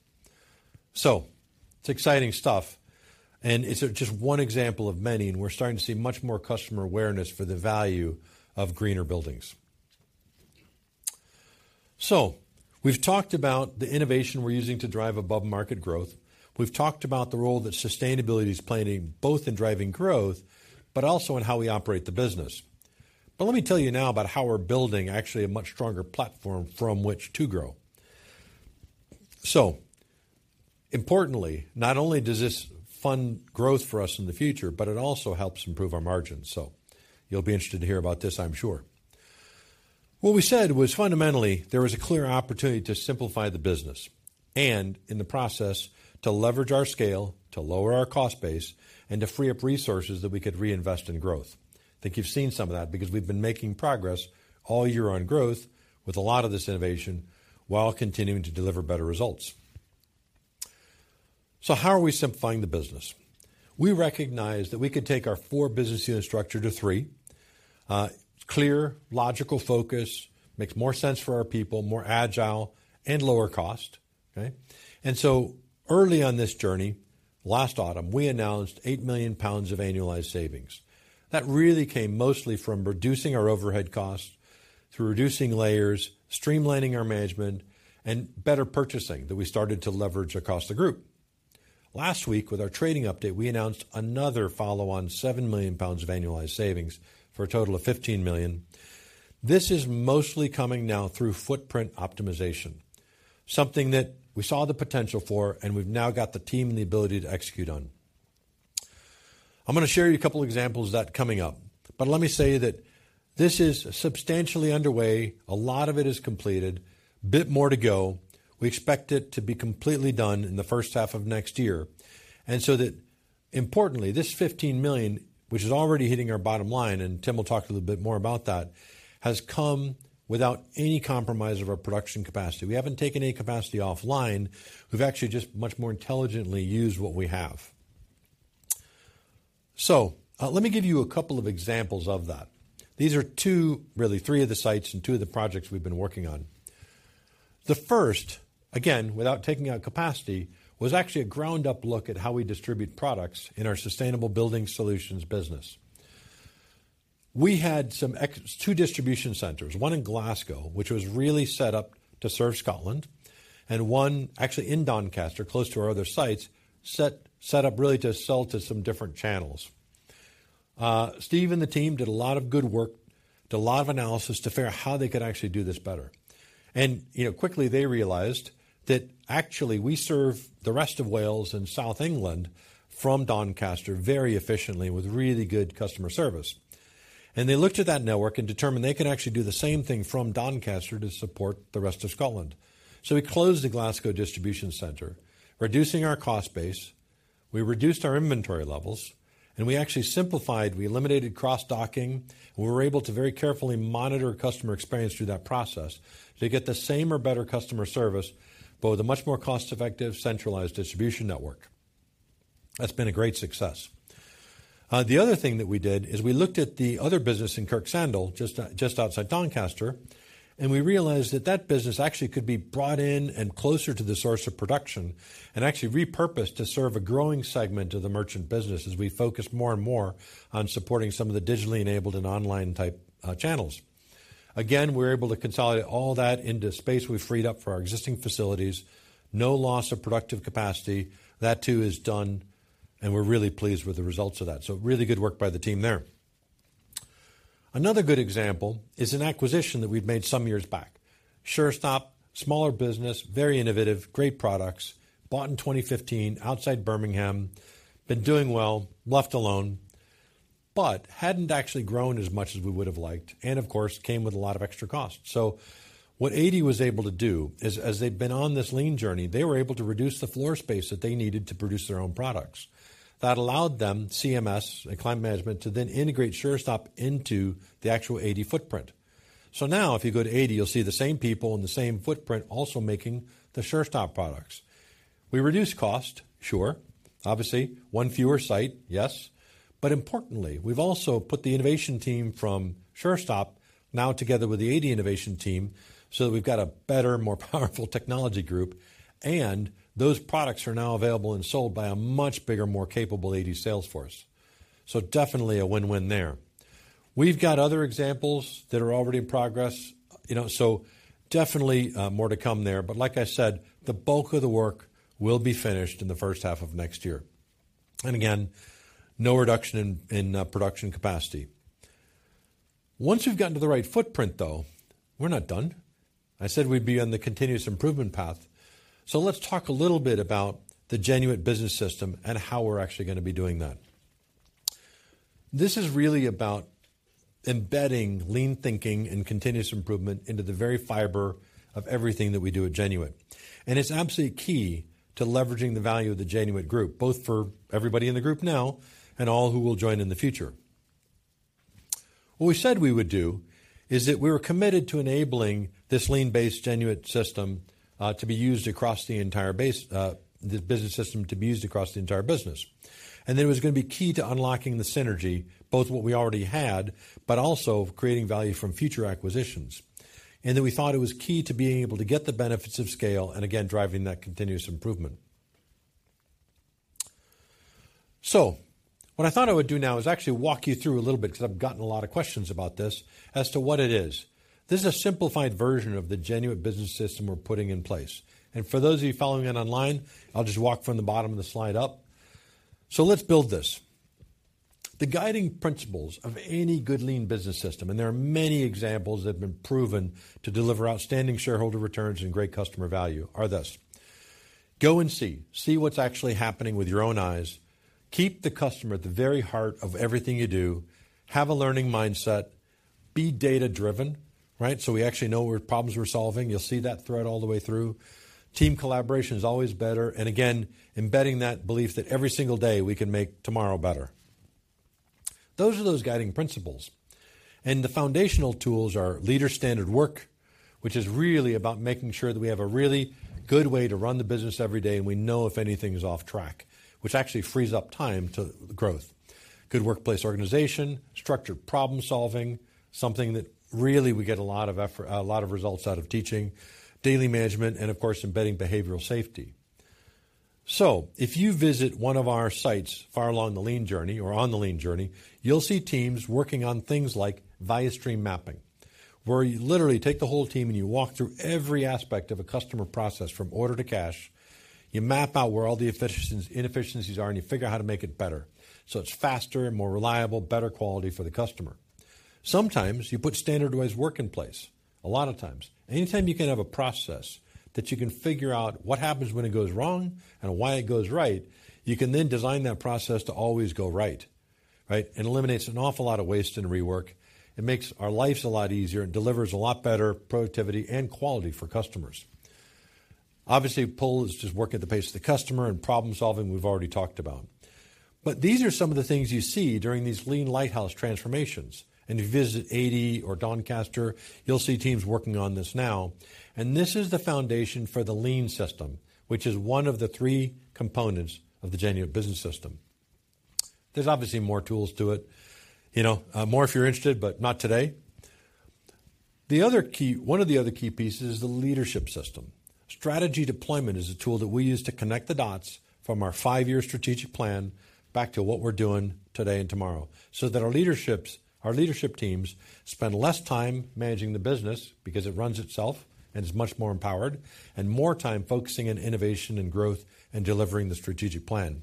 So it's exciting stuff, and it's just one example of many, and we're starting to see much more customer awareness for the value of greener buildings. We've talked about the innovation we're using to drive above-market growth. We've talked about the role that sustainability is playing, both in driving growth but also in how we operate the business. Let me tell you now about how we're building actually a much stronger platform from which to grow. Importantly, not only does this fund growth for us in the future, but it also helps improve our margins. You'll be interested to hear about this, I'm sure. What we said was, fundamentally, there was a clear opportunity to simplify the business and, in the process, to leverage our scale, to lower our cost base, and to free up resources that we could reinvest in growth. I think you've seen some of that because we've been making progress all year on growth with a lot of this innovation, while continuing to deliver better results. So how are we simplifying the business? We recognize that we could take our four business unit structure to three. Clear, logical focus, makes more sense for our people, more agile and lower cost, okay? And so early on this journey, last autumn, we announced 8 million pounds of annualized savings. That really came mostly from reducing our overhead costs through reducing layers, streamlining our management, and better purchasing that we started to leverage across the group. Last week, with our trading update, we announced another follow on 7 million pounds of annualized savings for a total of 15 million. This is mostly coming now through footprint optimization, something that we saw the potential for and we've now got the team and the ability to execute on. I'm going to share with you a couple examples of that coming up, but let me say that this is substantially underway. A lot of it is completed. A bit more to go. We expect it to be completely done in the first half of next year. And so that importantly, this 15 million, which is already hitting our bottom line, and Tim will talk a little bit more about that, has come without any compromise of our production capacity. We haven't taken any capacity offline. We've actually just much more intelligently used what we have. So, let me give you a couple of examples of that. These are two, really three of the sites and two of the projects we've been working on. The first, again, without taking out capacity, was actually a ground-up look at how we distribute products in our Sustainable Building Solutions business. We had some extra two distribution centers, one in Glasgow, which was really set up to serve Scotland, and one actually in Doncaster, close to our other sites, set up really to sell to some different channels. Steve and the team did a lot of good work, did a lot of analysis to figure out how they could actually do this better. You know, quickly, they realized that actually we serve the rest of Wales and south England from Doncaster very efficiently with really good customer service. They looked at that network and determined they could actually do the same thing from Doncaster to support the rest of Scotland. So we closed the Glasgow distribution center, reducing our cost base. We reduced our inventory levels, and we actually simplified, we eliminated cross-docking, and we were able to very carefully monitor customer experience through that process to get the same or better customer service, but with a much more cost-effective, centralized distribution network. That's been a great success. The other thing that we did is we looked at the other business in Kirk Sandall, just outside Doncaster, and we realized that that business actually could be brought in and closer to the source of production and actually repurposed to serve a growing segment of the merchant business as we focus more and more on supporting some of the digitally enabled and online-type channels. Again, we were able to consolidate all that into space we freed up from our existing facilities. No loss of productive capacity. That, too, is done, and we're really pleased with the results of that. So really good work by the team there. Another good example is an acquisition that we've made some years back. Surestop, smaller business, very innovative, great products, bought in 2015, outside Birmingham. Been doing well, left alone, but hadn't actually grown as much as we would have liked and, of course, came with a lot of extra costs. So what AD was able to do is, as they'd been on this lean journey, they were able to reduce the floor space that they needed to produce their own products. That allowed them, CMS, Climate Management, to then integrate Surestop into the actual AD footprint. So now, if you go to AD, you'll see the same people and the same footprint also making the Surestop products. We reduced cost, sure. Obviously, one fewer site, yes, but importantly, we've also put the innovation team from Surestop now together with the ADEY innovation team, so that we've got a better, more powerful technology group, and those products are now available and sold by a much bigger, more capable ADEY sales force. So definitely a win-win there. We've got other examples that are already in progress, you know, so definitely, more to come there. But like I said, the bulk of the work will be finished in the first half of next year. And again, no reduction in production capacity. Once we've gotten to the right footprint, though, we're not done. I said we'd be on the continuous improvement path. So let's talk a little bit about the Genuit Business System and how we're actually gonna be doing that. This is really about embedding lean thinking and continuous improvement into the very fiber of everything that we do at Genuit. And it's absolutely key to leveraging the value of the Genuit Group, both for everybody in the group now and all who will join in the future. What we said we would do is that we were committed to enabling this lean-based Genuit system to be used across the entire business. And that it was gonna be key to unlocking the synergy, both what we already had, but also creating value from future acquisitions. And that we thought it was key to being able to get the benefits of scale and again, driving that continuous improvement. So what I thought I would do now is actually walk you through a little bit, because I've gotten a lot of questions about this, as to what it is. This is a simplified version of the Genuit Business System we're putting in place. For those of you following it online, I'll just walk from the bottom of the slide up. Let's build this. The guiding principles of any good lean business system, and there are many examples that have been proven to deliver outstanding shareholder returns and great customer value, are thus: Go and see. See what's actually happening with your own eyes. Keep the customer at the very heart of everything you do. Have a learning mindset. Be data-driven, right? So we actually know what problems we're solving. You'll see that thread all the way through. Team collaboration is always better, and again, embedding that belief that every single day we can make tomorrow better. Those are those guiding principles, and the foundational tools are leader standard work, which is really about making sure that we have a really good way to run the business every day, and we know if anything is off track, which actually frees up time to growth. Good workplace organization, structured problem-solving, something that really we get a lot of effort, a lot of results out of teaching, daily management, and of course, embedding behavioral safety. So if you visit one of our sites far along the lean journey or on the lean journey, you'll see teams working on things like value stream mapping, where you literally take the whole team, and you walk through every aspect of a customer process from order to cash. You map out where all the inefficiencies are, and you figure out how to make it better, so it's faster, more reliable, better quality for the customer. Sometimes you put standardized work in place, a lot of times. Anytime you can have a process that you can figure out what happens when it goes wrong and why it goes right, you can then design that process to always go right. Right? It eliminates an awful lot of waste and rework. It makes our lives a lot easier and delivers a lot better productivity and quality for customers. Obviously, pull is just working at the pace of the customer, and problem-solving, we've already talked about. But these are some of the things you see during these lean lighthouse transformations, and if you visit ADEY or Doncaster, you'll see teams working on this now, and this is the foundation for the lean system, which is one of the three components of the Genuit Business System. There's obviously more tools to it, you know, more if you're interested, but not today. One of the other key pieces is the leadership system. Strategy deployment is a tool that we use to connect the dots from our five-year strategic plan back to what we're doing today and tomorrow, so that our leaderships, our leadership teams spend less time managing the business because it runs itself, and it's much more empowered, and more time focusing on innovation and growth and delivering the strategic plan.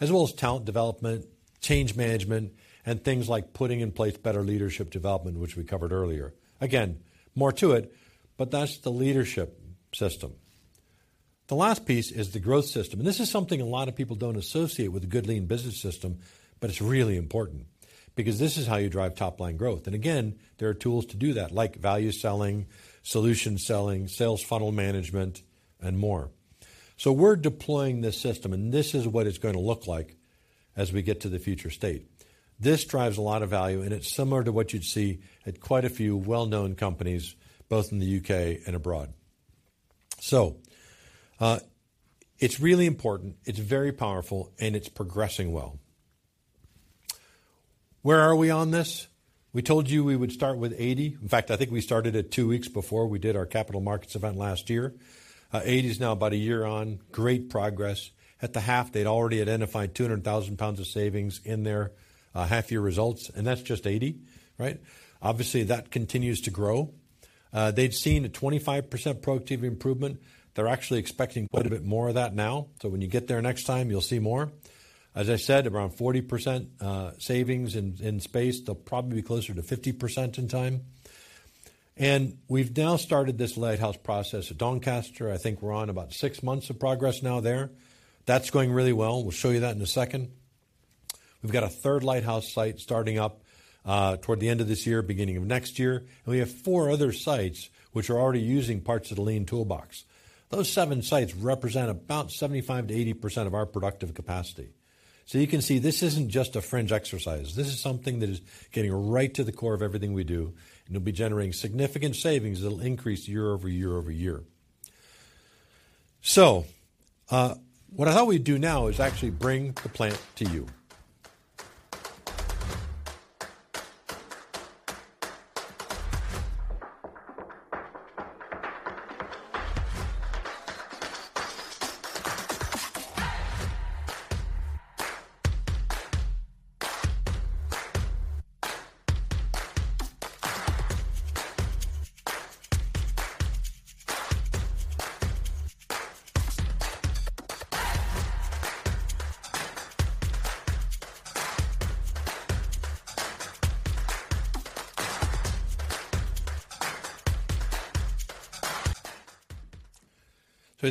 As well as talent development, change management, and things like putting in place better leadership development, which we covered earlier. Again, more to it, but that's the leadership system. The last piece is the growth system, and this is something a lot of people don't associate with a good lean business system, but it's really important because this is how you drive top-line growth. And again, there are tools to do that, like value selling, solution selling, sales funnel management, and more. So we're deploying this system, and this is what it's gonna look like as we get to the future state. This drives a lot of value, and it's similar to what you'd see at quite a few well-known companies, both in the U.K. and abroad. So, it's really important, it's very powerful, and it's progressing well. Where are we on this? We told you we would start with ADEY. In fact, I think we started it two weeks before we did our capital markets event last year. ADEY is now about a year on, great progress. At the half, they'd already identified 200,000 pounds of savings in their half-year results, and that's just ADEY, right? Obviously, that continues to grow. They've seen a 25% productivity improvement. They're actually expecting quite a bit more of that now. So when you get there next time, you'll see more. As I said, around 40% savings in space. They'll probably be closer to 50% in time. And we've now started this lighthouse process at Doncaster. I think we're on about six months of progress now there. That's going really well. We'll show you that in a second. We've got a third lighthouse site starting up toward the end of this year, beginning of next year, and we have four other sites which are already using parts of the lean toolbox. Those seven sites represent about 75%-80% of our productive capacity. So you can see this isn't just a fringe exercise. This is something that is getting right to the core of everything we do, and it'll be generating significant savings that'll increase year over year over year. So, what I thought we'd do now is actually bring the plant to you.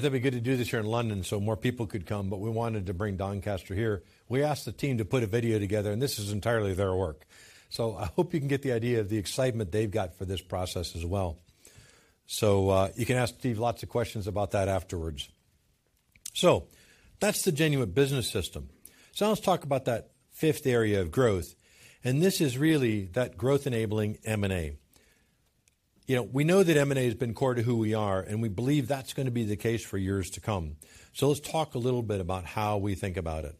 So it'd be good to do this here in London, so more people could come, but we wanted to bring Doncaster here. We asked the team to put a video together, and this is entirely their work. So I hope you can get the idea of the excitement they've got for this process as well. So, you can ask Steve lots of questions about that afterwards. So that's the Genuit Business System. So now let's talk about that fifth area of growth, and this is really that growth-enabling M&A. You know, we know that M&A has been core to who we are, and we believe that's gonna be the case for years to come. So let's talk a little bit about how we think about it.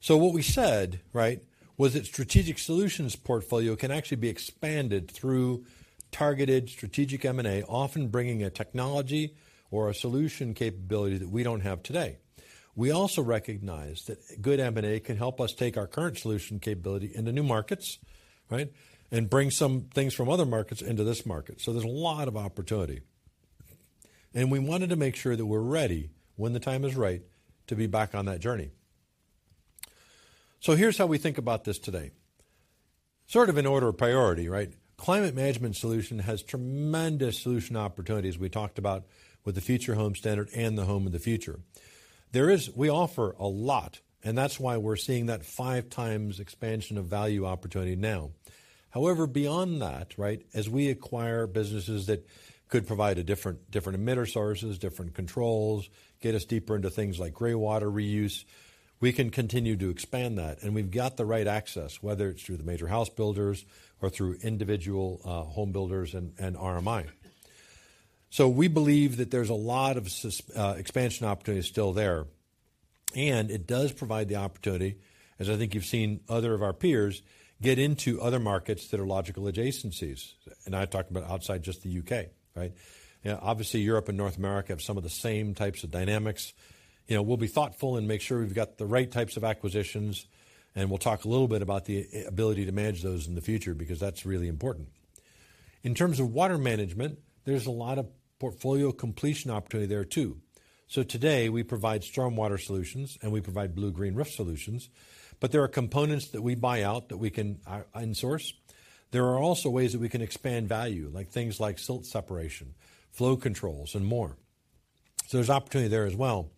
So what we said, right, was that strategic solutions portfolio can actually be expanded through targeted strategic M&A, often bringing a technology or a solution capability that we don't have today. We also recognize that good M&A can help us take our current solution capability into new markets, right? And bring some things from other markets into this market. So there's a lot of opportunity. We wanted to make sure that we're ready when the time is right to be back on that journey. Here's how we think about this today, sort of in order of priority, right? Water Management Solution has tremendous solution opportunities. We talked about with the Future Homes Standard and the Home of the Future. There is, we offer a lot, and that's why we're seeing that 5x expansion of value opportunity now. However, beyond that, right, as we acquire businesses that could provide a different emitter sources, different controls, get us deeper into things like gray water reuse, we can continue to expand that, and we've got the right access, whether it's through the major house builders or through individual home builders and RMI. So we believe that there's a lot of expansion opportunity still there, and it does provide the opportunity, as I think you've seen other of our peers, get into other markets that are logical adjacencies. And I talked about outside just the U.K., right? You know, obviously, Europe and North America have some of the same types of dynamics. You know, we'll be thoughtful and make sure we've got the right types of acquisitions, and we'll talk a little bit about the ability to manage those in the future, because that's really important. In terms of Water Management, there's a lot of portfolio completion opportunity there, too. So today, we provide stormwater solutions, and we provide blue-green roof solutions, but there are components that we buy out that we can in-source. There are also ways that we can expand value, like things like silt separation, flow controls, and more. So there's opportunity there as well.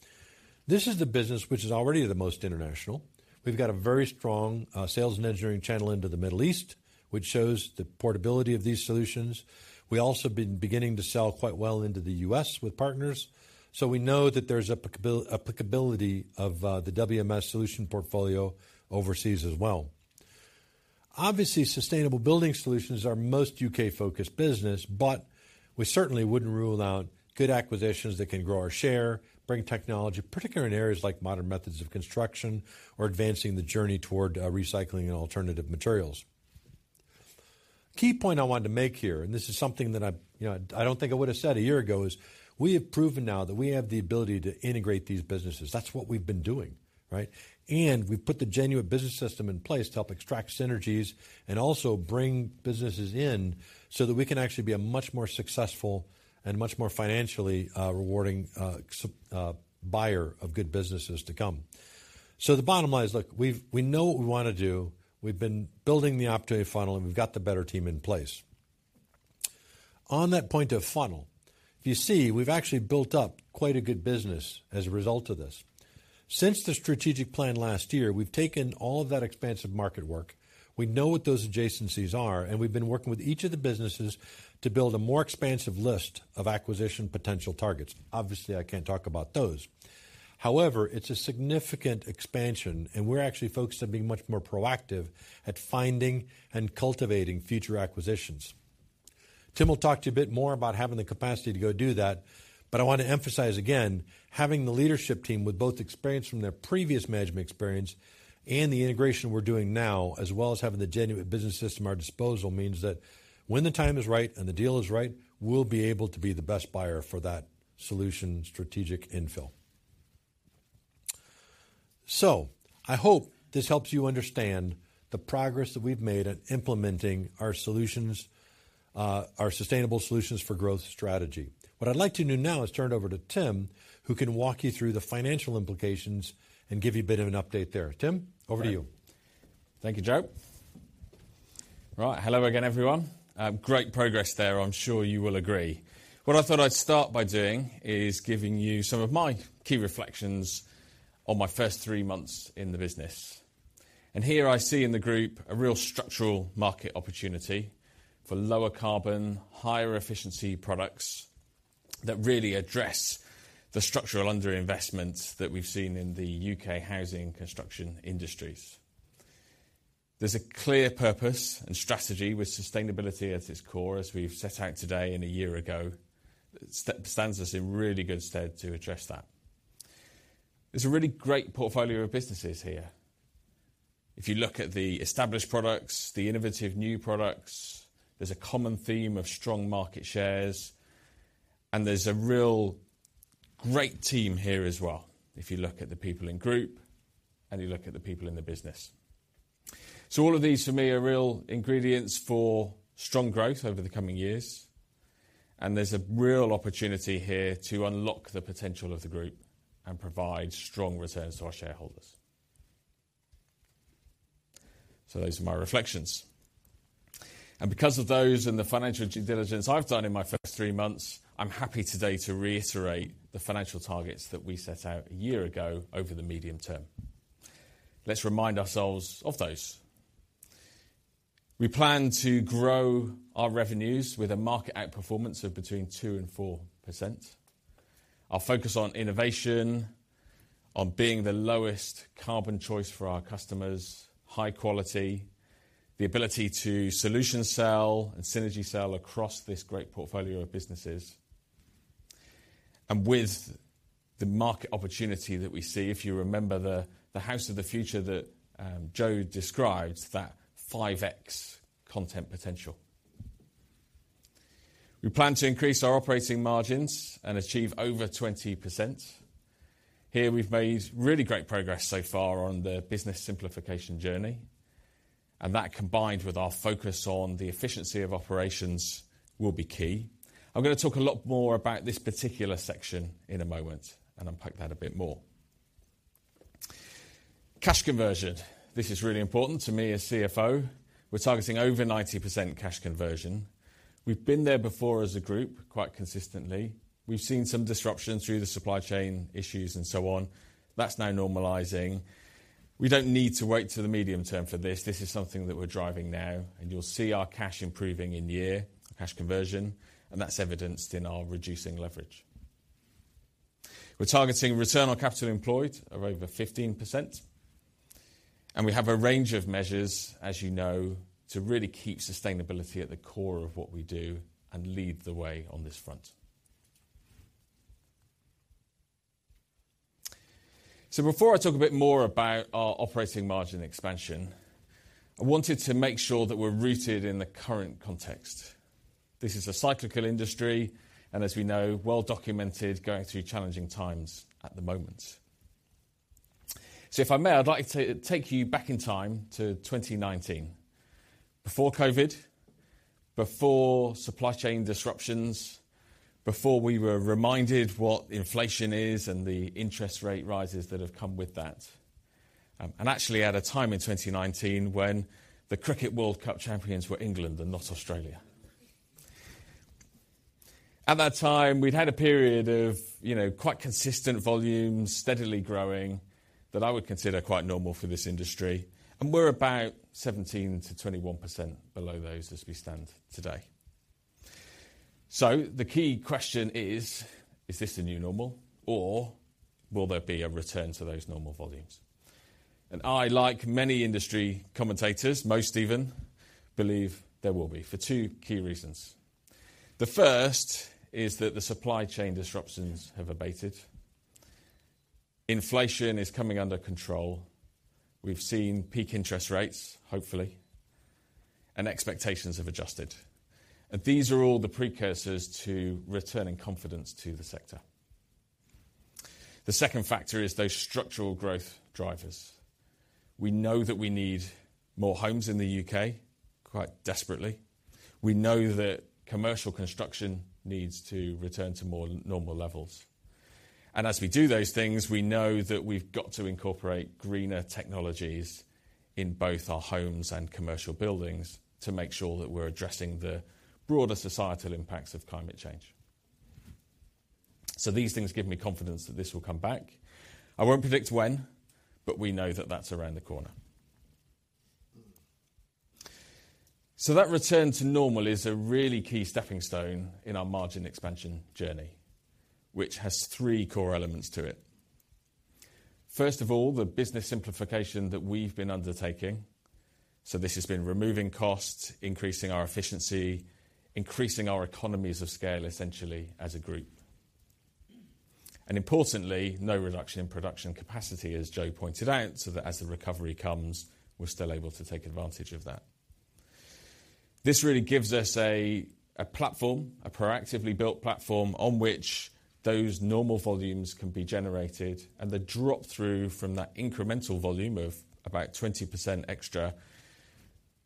This is the business which is already the most international. We've got a very strong sales and engineering channel into the Middle East, which shows the portability of these solutions. We also been beginning to sell quite well into the U.S. with partners, so we know that there's applicability of the WMS solution portfolio overseas as well. Obviously, Sustainable Building Solutions are our most U.K.-focused business, but we certainly wouldn't rule out good acquisitions that can grow our share, bring technology, particularly in areas like modern methods of construction or advancing the journey toward recycling and alternative materials. Key point I wanted to make here, and this is something that I, you know, I don't think I would have said a year ago, is we have proven now that we have the ability to integrate these businesses. That's what we've been doing, right? And we've put the Genuit Business System in place to help extract synergies and also bring businesses in, so that we can actually be a much more successful and much more financially rewarding buyer of good businesses to come. So the bottom line is, look, we've, we know what we want to do. We've been building the opportunity funnel, and we've got the better team in place. On that point of funnel, if you see, we've actually built up quite a good business as a result of this. Since the strategic plan last year, we've taken all of that expansive market work. We know what those adjacencies are, and we've been working with each of the businesses to build a more expansive list of acquisition potential targets. Obviously, I can't talk about those. However, it's a significant expansion, and we're actually focused on being much more proactive at finding and cultivating future acquisitions. Tim will talk to you a bit more about having the capacity to go do that, but I want to emphasize again, having the leadership team with both experience from their previous management experience and the integration we're doing now, as well as having the Genuit Business System at our disposal, means that when the time is right and the deal is right, we'll be able to be the best buyer for that solution, strategic infill. So I hope this helps you understand the progress that we've made at implementing our solutions, our sustainable solutions for growth strategy. What I'd like to do now is turn it over to Tim, who can walk you through the financial implications and give you a bit of an update there. Tim, over to you. Thank you, Joe. Right. Hello again, everyone. Great progress there. I'm sure you will agree. What I thought I'd start by doing is giving you some of my key reflections on my first three months in the business. And here I see in the group a real structural market opportunity for lower carbon, higher efficiency products, that really address the structural underinvestment that we've seen in the U.K. housing construction industries. There's a clear purpose and strategy with sustainability at its core, as we've set out today and a year ago, stands us in really good stead to address that. There's a really great portfolio of businesses here. If you look at the established products, the innovative new products, there's a common theme of strong market shares, and there's a real great team here as well, if you look at the people in Group, and you look at the people in the business. All of these, for me, are real ingredients for strong growth over the coming years, and there's a real opportunity here to unlock the potential of the Group and provide strong returns to our shareholders. Those are my reflections. Because of those and the financial due diligence I've done in my first three months, I'm happy today to reiterate the financial targets that we set out a year ago over the medium term. Let's remind ourselves of those. We plan to grow our revenues with a market outperformance of between 2% and 4%. Our focus on innovation, on being the lowest carbon choice for our customers, high quality, the ability to solution sell and synergy sell across this great portfolio of businesses, and with the market opportunity that we see, if you remember the house of the future that Joe described, that 5x content potential. We plan to increase our operating margins and achieve over 20%. Here, we've made really great progress so far on the business simplification journey, and that, combined with our focus on the efficiency of operations, will be key. I'm gonna talk a lot more about this particular section in a moment and unpack that a bit more. Cash conversion. This is really important to me as CFO. We're targeting over 90% cash conversion. We've been there before as a group, quite consistently. We've seen some disruption through the supply chain issues and so on. That's now normalizing. We don't need to wait till the medium term for this. This is something that we're driving now, and you'll see our cash improving in year, cash conversion, and that's evidenced in our reducing leverage. We're targeting return on capital employed of over 15%, and we have a range of measures, as you know, to really keep sustainability at the core of what we do and lead the way on this front. So before I talk a bit more about our operating margin expansion, I wanted to make sure that we're rooted in the current context. This is a cyclical industry, and as we know, well-documented, going through challenging times at the moment. So if I may, I'd like to take you back in time to 2019, before COVID, before supply chain disruptions, before we were reminded what inflation is and the interest rate rises that have come with that. Actually, at a time in 2019, when the Cricket World Cup champions were England and not Australia. At that time, we'd had a period of, you know, quite consistent volumes, steadily growing, that I would consider quite normal for this industry, and we're about 17%-21% below those as we stand today. So the key question is: Is this the new normal, or will there be a return to those normal volumes? And I, like many industry commentators, most even, believe there will be for two key reasons. The first is that the supply chain disruptions have abated. Inflation is coming under control. We've seen peak interest rates, hopefully, and expectations have adjusted. These are all the precursors to returning confidence to the sector. The second factor is those structural growth drivers. We know that we need more homes in the U.K., quite desperately. We know that commercial construction needs to return to more normal levels. As we do those things, we know that we've got to incorporate greener technologies in both our homes and commercial buildings to make sure that we're addressing the broader societal impacts of climate change. So these things give me confidence that this will come back. I won't predict when, but we know that that's around the corner. So that return to normal is a really key stepping stone in our margin expansion journey, which has three core elements to it. First of all, the business simplification that we've been undertaking. This has been removing costs, increasing our efficiency, increasing our economies of scale, essentially, as a group. Importantly, no reduction in production capacity, as Joe pointed out, so that as the recovery comes, we're still able to take advantage of that. This really gives us a, a platform, a proactively built platform, on which those normal volumes can be generated, and the drop-through from that incremental volume of about 20% extra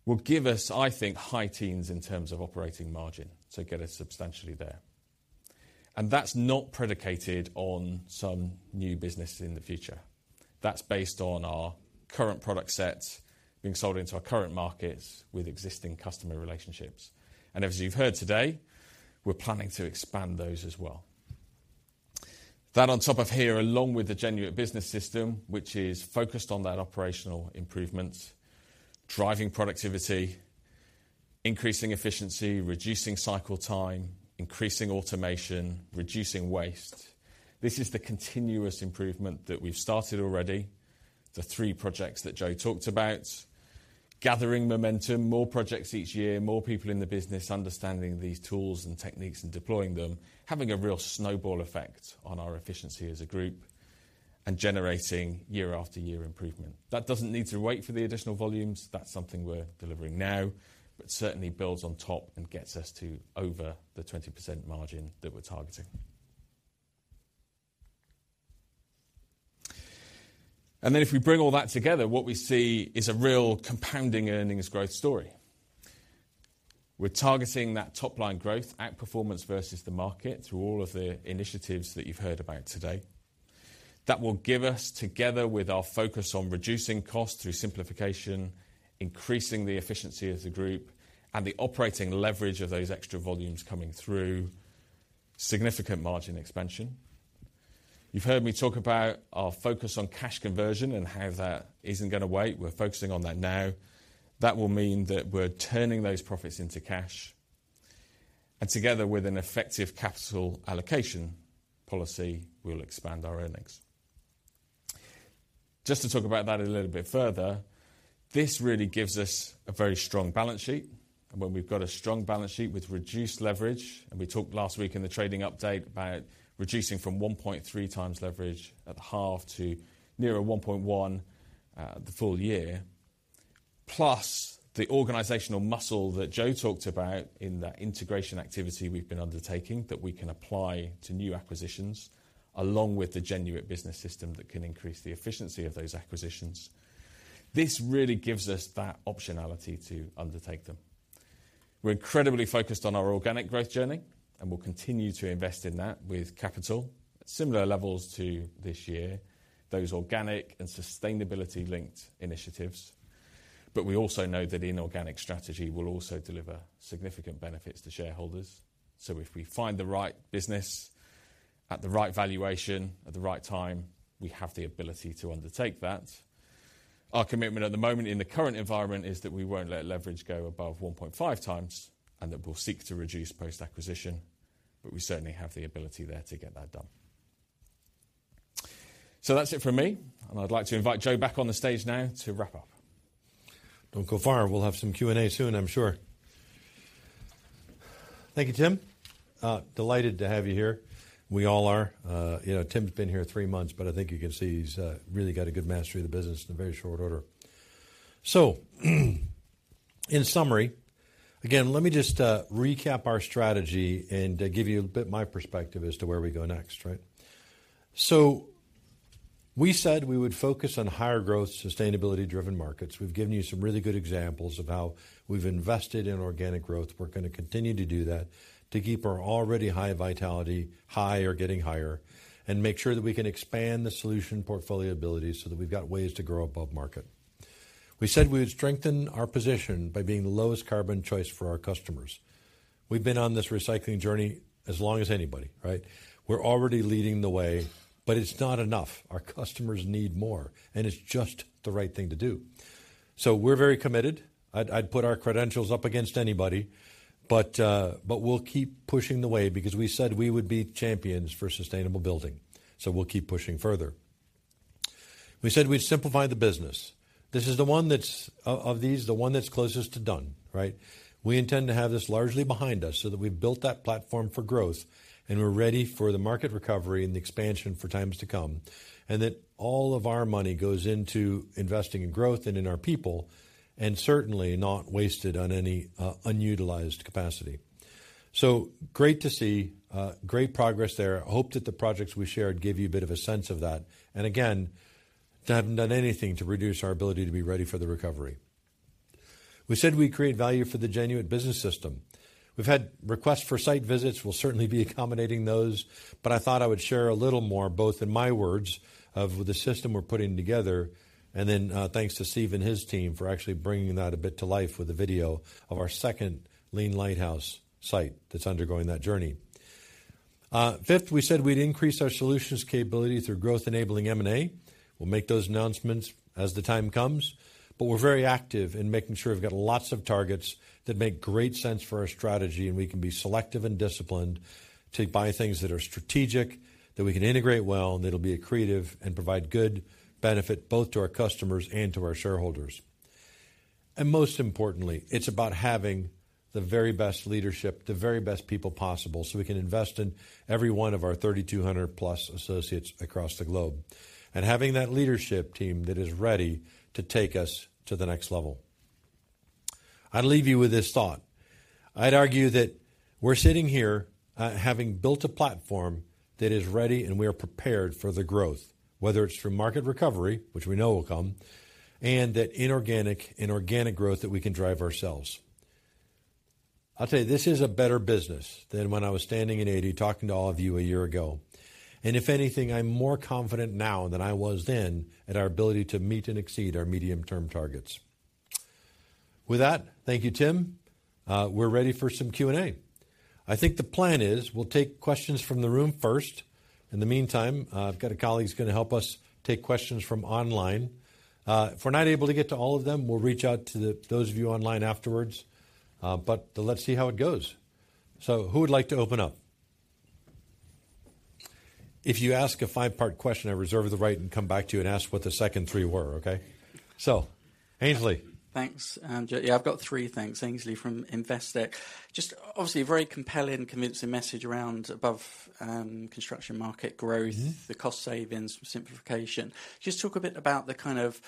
will give us, I think, high teens in terms of operating margin. Get us substantially there. That's not predicated on some new business in the future. That's based on our current product sets being sold into our current markets with existing customer relationships. As you've heard today, we're planning to expand those as well. That on top of here, along with the Genuit Business System, which is focused on that operational improvement, driving productivity, increasing efficiency, reducing cycle time, increasing automation, reducing waste. This is the continuous improvement that we've started already. The three projects that Joe talked about, gathering momentum, more projects each year, more people in the business, understanding these tools and techniques and deploying them, having a real snowball effect on our efficiency as a group and generating year after year improvement. That doesn't need to wait for the additional volumes. That's something we're delivering now, but certainly builds on top and gets us to over the 20% margin that we're targeting. And then if we bring all that together, what we see is a real compounding earnings growth story. We're targeting that top-line growth, outperformance versus the market, through all of the initiatives that you've heard about today. That will give us, together with our focus on reducing costs through simplification, increasing the efficiency of the group and the operating leverage of those extra volumes coming through, significant margin expansion. You've heard me talk about our focus on cash conversion and how that isn't going to wait. We're focusing on that now. That will mean that we're turning those profits into cash, and together with an effective capital allocation policy, we'll expand our earnings. Just to talk about that a little bit further, this really gives us a very strong balance sheet. When we've got a strong balance sheet with reduced leverage, and we talked last week in the trading update about reducing from 1.3x leverage at the half to nearer 1.1x, the full year, plus the organizational muscle that Joe talked about in that integration activity we've been undertaking, that we can apply to new acquisitions, along with the Genuit Business System, that can increase the efficiency of those acquisitions. This really gives us that optionality to undertake them. We're incredibly focused on our organic growth journey, and we'll continue to invest in that with capital, similar levels to this year, those organic and sustainability-linked initiatives. But we also know that inorganic strategy will also deliver significant benefits to shareholders. So if we find the right business at the right valuation, at the right time, we have the ability to undertake that. Our commitment at the moment in the current environment is that we won't let leverage go above 1.5x, and that we'll seek to reduce post-acquisition, but we certainly have the ability there to get that done. So that's it for me, and I'd like to invite Joe back on the stage now to wrap up. Don't go far. We'll have some Q&A soon, I'm sure. Thank you, Tim. Delighted to have you here. We all are. You know, Tim's been here three months, but I think you can see he's really got a good mastery of the business in a very short order. So, in summary, again, let me just recap our strategy and give you a bit my perspective as to where we go next, right? So we said we would focus on higher growth, sustainability-driven markets. We've given you some really good examples of how we've invested in organic growth. We're gonna continue to do that to keep our already high vitality high or getting higher, and make sure that we can expand the solution portfolio abilities, so that we've got ways to grow above market. We said we would strengthen our position by being the lowest carbon choice for our customers. We've been on this recycling journey as long as anybody, right? We're already leading the way, but it's not enough. Our customers need more, and it's just the right thing to do. So we're very committed. I'd put our credentials up against anybody, but we'll keep pushing the way because we said we would be champions for Sustainable Building. So we'll keep pushing further. We said we'd simplify the business. This is the one that's of these, the one that's closest to done, right? We intend to have this largely behind us so that we've built that platform for growth, and we're ready for the market recovery and the expansion for times to come, and that all of our money goes into investing in growth and in our people, and certainly not wasted on any unutilized capacity. So great to see great progress there. I hope that the projects we shared give you a bit of a sense of that, and again, we haven't done anything to reduce our ability to be ready for the recovery. We said we'd create value for the Genuit Business System. We've had requests for site visits. We'll certainly be accommodating those, but I thought I would share a little more, both in my words, of the system we're putting together, and then, thanks to Steve and his team for actually bringing that a bit to life with a video of our second Lean Lighthouse site that's undergoing that journey. Fifth, we said we'd increase our solutions capability through growth-enabling M&A. We'll make those announcements as the time comes, but we're very active in making sure we've got lots of targets that make great sense for our strategy, and we can be selective and disciplined to buy things that are strategic, that we can integrate well, and that'll be accretive and provide good benefit both to our customers and to our shareholders. Most importantly, it's about having the very best leadership, the very best people possible, so we can invest in every one of our 3,200+ associates across the globe. Having that leadership team that is ready to take us to the next level. I'll leave you with this thought: I'd argue that we're sitting here, having built a platform that is ready, and we are prepared for the growth, whether it's through market recovery, which we know will come, and that inorganic and organic growth that we can drive ourselves. I'll tell you, this is a better business than when I was standing in 2023 talking to all of you a year ago. If anything, I'm more confident now than I was then in our ability to meet and exceed our medium-term targets. With that, thank you, Tim. We're ready for some Q&A. I think the plan is we'll take questions from the room first. In the meantime, I've got a colleague who's going to help us take questions from online. If we're not able to get to all of them, we'll reach out to those of you online afterwards. But let's see how it goes. So who would like to open up? If you ask a five-part question, I reserve the right to come back to you and ask what the second three were, okay? So, Aynsley. Thanks, and, yeah, I've got three, thanks. Aynsley from Investec. Just obviously a very compelling, convincing message around above, construction market growth the cost savings, simplification. Just talk a bit about the kind of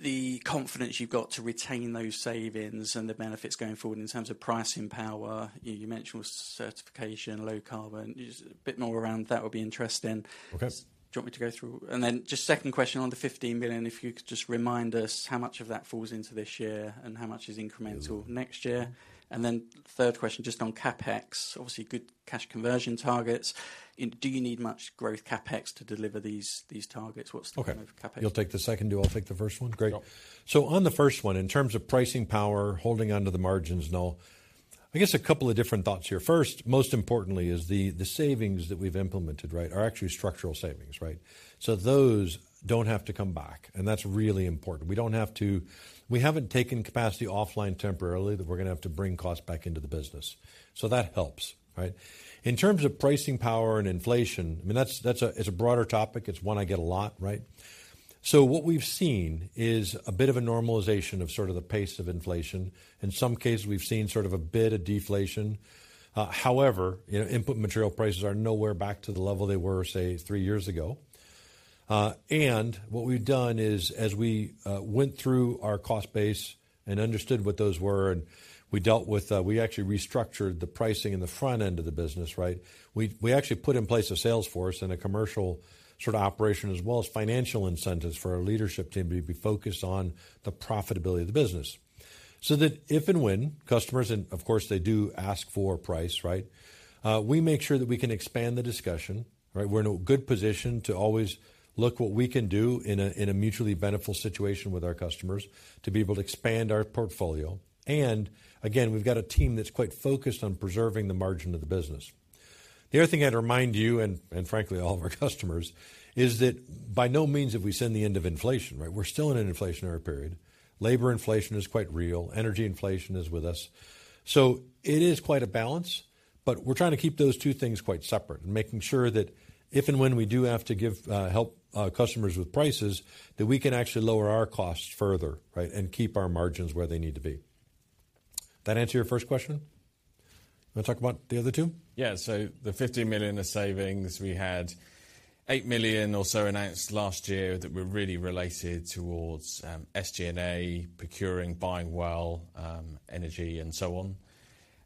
the confidence you've got to retain those savings and the benefits going forward in terms of pricing power. You, you mentioned certification, low carbon. Just a bit more around that would be interesting. Okay. Do you want me to go through... And then just second question, on the 15 million, if you could just remind us how much of that falls into this year and how much is incremental next year? And then third question, just on CapEx, obviously good cash conversion targets. Do you need much growth CapEx to deliver these, these targets? What's the- Okay. CapEx? You'll take the second two. I'll take the first one. Great. Sure. So on the first one, in terms of pricing power, holding onto the margins, and all, I guess a couple of different thoughts here. First, most importantly, is the savings that we've implemented, right, are actually structural savings, right? So those don't have to come back, and that's really important. We don't have to. We haven't taken capacity offline temporarily, that we're gonna have to bring costs back into the business. So that helps, right? In terms of pricing power and inflation, I mean, that's a broader topic. It's one I get a lot, right? So what we've seen is a bit of a normalization of sort of the pace of inflation. In some cases, we've seen sort of a bit of deflation. However, you know, input material prices are nowhere back to the level they were, say, three years ago. And what we've done is, as we went through our cost base and understood what those were, and we dealt with, we actually restructured the pricing in the front end of the business, right? We, we actually put in place a sales force and a commercial sort of operation, as well as financial incentives for our leadership team to be focused on the profitability of the business. So that if and when customers, and of course, they do ask for price, right? We make sure that we can expand the discussion, right? We're in a good position to always look what we can do in a, in a mutually beneficial situation with our customers, to be able to expand our portfolio. And again, we've got a team that's quite focused on preserving the margin of the business. The other thing I'd remind you and frankly all of our customers is that by no means have we seen the end of inflation, right? We're still in an inflationary period. Labor inflation is quite real. Energy inflation is with us. So it is quite a balance, but we're trying to keep those two things quite separate and making sure that if and when we do have to give help customers with prices, that we can actually lower our costs further, right? And keep our margins where they need to be. That answer your first question? You want to talk about the other two? Yeah. So the 50 million of savings, we had 8 million or so announced last year that were really related towards, SG&A, procuring, buying well, energy, and so on.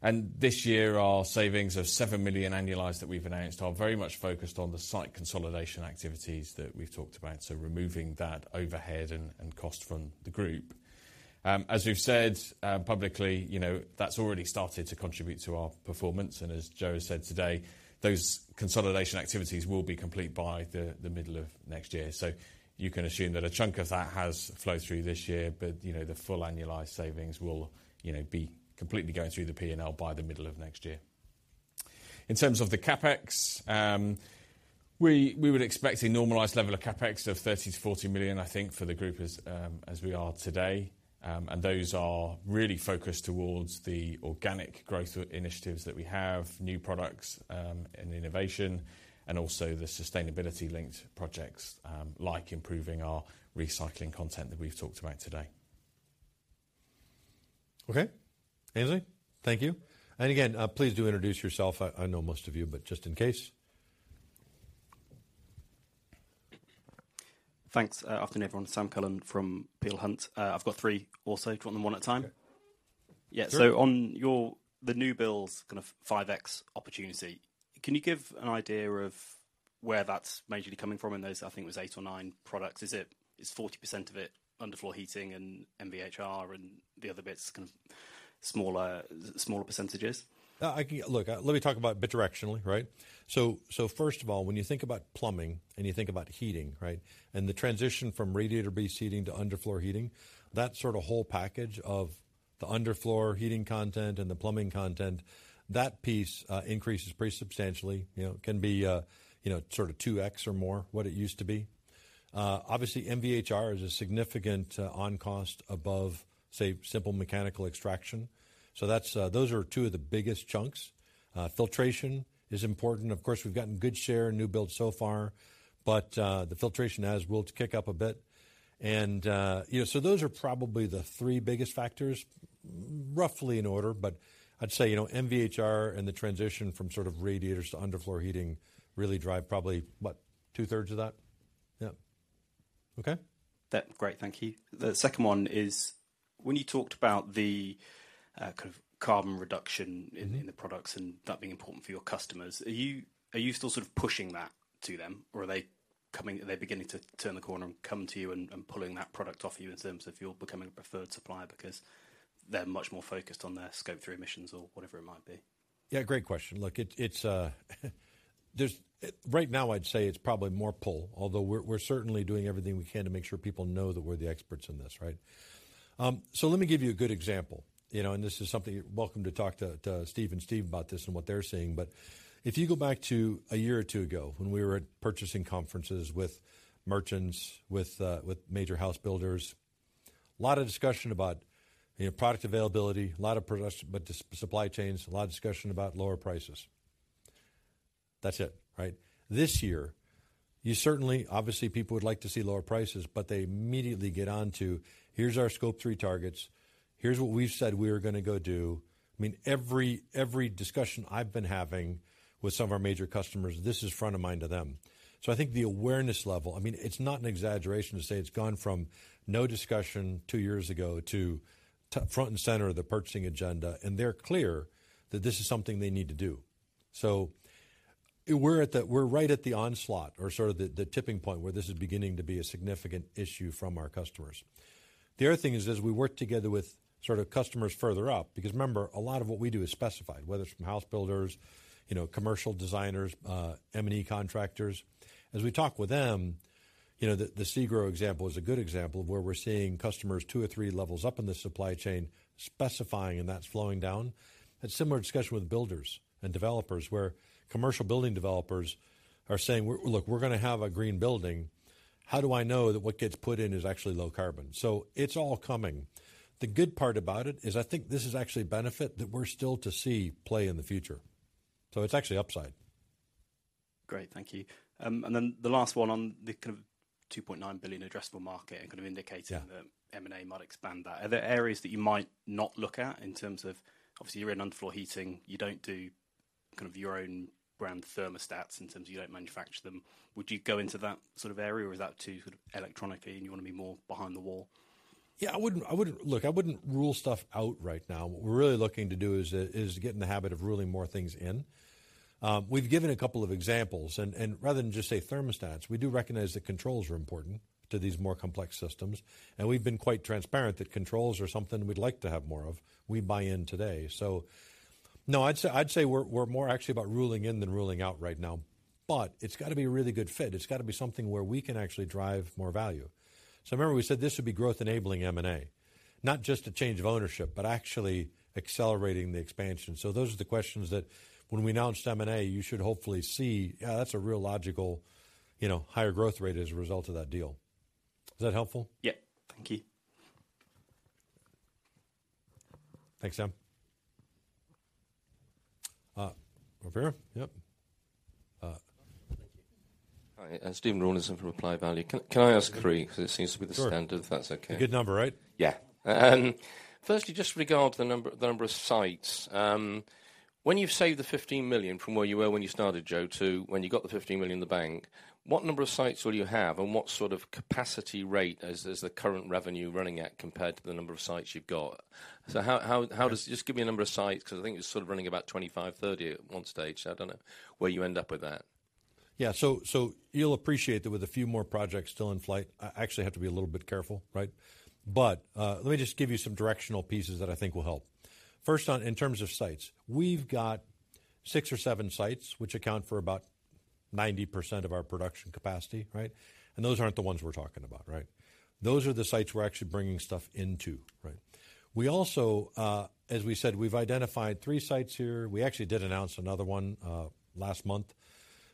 And this year, our savings of 7 million annualized that we've announced are very much focused on the site consolidation activities that we've talked about, so removing that overhead and cost from the group. As we've said, publicly, you know, that's already started to contribute to our performance, and as Joe said today, those consolidation activities will be complete by the middle of next year. So you can assume that a chunk of that has flowed through this year, but, you know, the full annualized savings will, you know, be completely going through the P&L by the middle of next year. In terms of the CapEx, we would expect a normalized level of CapEx of 30 million-40 million, I think, for the group as we are today. Those are really focused toward the organic growth initiatives that we have, new products, and innovation, and also the sustainability-linked projects, like improving our recycling content that we've talked about today.... Okay. Aynsley, thank you. And again, please do introduce yourself. I know most of you, but just in case. Thanks. Afternoon, everyone. Sam Cullen from Peel Hunt. I've got three also. Do you want them one at a time? Okay. Yeah. Sure. So the new build's kind of 5x opportunity, can you give an idea of where that's majorly coming from in those, I think it was eight or nine products? Is it, is 40% of it underfloor heating and MVHR, and the other bits kind of smaller, smaller percentages? Look, let me talk about it bidirectionally, right? So first of all, when you think about plumbing and you think about heating, right, and the transition from radiator-based heating to underfloor heating, that sort of whole package of the underfloor heating content and the plumbing content, that piece increases pretty substantially. You know, can be, you know, sort of 2x or more what it used to be. Obviously, MVHR is a significant on-cost above, say, simple mechanical extraction. So that's those are two of the biggest chunks. Filtration is important. Of course, we've gotten a good share in new build so far, but the filtration as will kick up a bit. And you know, so those are probably the three biggest factors, roughly in order. But I'd say, you know, MVHR and the transition from sort of radiators to underfloor heating really drive probably, what, 2/3 of that? Yeah. Okay. Great, thank you. The second one is, when you talked about the, kind of carbon reduction in the products and that being important for your customers, are you still sort of pushing that to them, or are they coming, are they beginning to turn the corner and come to you and pulling that product off of you in terms of you're becoming a preferred supplier because they're much more focused on their Scope 3 emissions or whatever it might be? Yeah, great question. Look, it's, there's, right now I'd say it's probably more pull, although we're, we're certainly doing everything we can to make sure people know that we're the experts in this, right? So let me give you a good example, you know, and this is something you're welcome to talk to, to Steve and Steve about this and what they're seeing. But if you go back to a year or two ago, when we were at purchasing conferences with merchants, with, with major house builders, a lot of discussion about, you know, product availability, a lot of discussion about the supply chains, a lot of discussion about lower prices. That's it, right? This year, you certainly... Obviously, people would like to see lower prices, but they immediately get on to: Here's our Scope 3 targets. Here's what we've said we are gonna go do. I mean, every discussion I've been having with some of our major customers, this is front of mind to them. So I think the awareness level, I mean, it's not an exaggeration to say it's gone from no discussion two years ago to front and center of the purchasing agenda, and they're clear that this is something they need to do. So we're right at the onslaught or sort of the tipping point where this is beginning to be a significant issue from our customers. The other thing is, as we work together with sort of customers further up, because remember, a lot of what we do is specified, whether it's from house builders, you know, commercial designers, M&E contractors. As we talk with them, you know, the SEGRO example is a good example of where we're seeing customers two or three levels up in the supply chain specifying, and that's flowing down. Had similar discussion with builders and developers, where commercial building developers are saying, "We're-- Look, we're gonna have a green building. How do I know that what gets put in is actually low carbon?" So it's all coming. The good part about it is, I think this is actually a benefit that we're still to see play in the future, so it's actually upside. Great, thank you. And then the last one on the kind of 2.9 billion addressable market and kind of indicating- Yeah... that M&A might expand that. Are there areas that you might not look at in terms of... Obviously, you're in underfloor heating, you don't do kind of your own brand thermostats in terms of you don't manufacture them. Would you go into that sort of area, or is that too sort of electronically, and you wanna be more behind the wall? Yeah, I wouldn't, I wouldn't. Look, I wouldn't rule stuff out right now. What we're really looking to do is, is get in the habit of ruling more things in. We've given a couple of examples, and, and rather than just say thermostats, we do recognize that controls are important to these more complex systems, and we've been quite transparent that controls are something we'd like to have more of. We buy in today. So no, I'd say, I'd say we're, we're more actually about ruling in than ruling out right now, but it's got to be a really good fit. It's got to be something where we can actually drive more value. So remember, we said this would be growth-enabling M&A, not just a change of ownership, but actually accelerating the expansion. So those are the questions that when we announce M&A, you should hopefully see that's a real logical, you know, higher growth rate as a result of that deal. Is that helpful? Yeah. Thank you. Thanks, Sam. [Rivera]? Yep. Thank you. Hi, Steven Rawlinson from Applied Value. Can I ask three? 'Cause it seems to be the standard- Sure... if that's okay. A good number, right? Yeah. Firstly, just regarding the number, the number of sites. When you've saved the 15 million from where you were when you started, Joe, to when you got the 15 million in the bank, what number of sites will you have, and what sort of capacity rate is the current revenue running at compared to the number of sites you've got? So how does... Just give me a number of sites, because I think it's sort of running about 25%, 30% at one stage. I don't know where you end up with that. Yeah. So, so you'll appreciate that with a few more projects still in flight, I actually have to be a little bit careful, right? But, let me just give you some directional pieces that I think will help. First on, in terms of sites, we've got six or seven sites, which account for about 90% of our production capacity, right? And those aren't the ones we're talking about, right? Those are the sites we're actually bringing stuff into, right? We also, as we said, we've identified three sites here. We actually did announce another one, last month.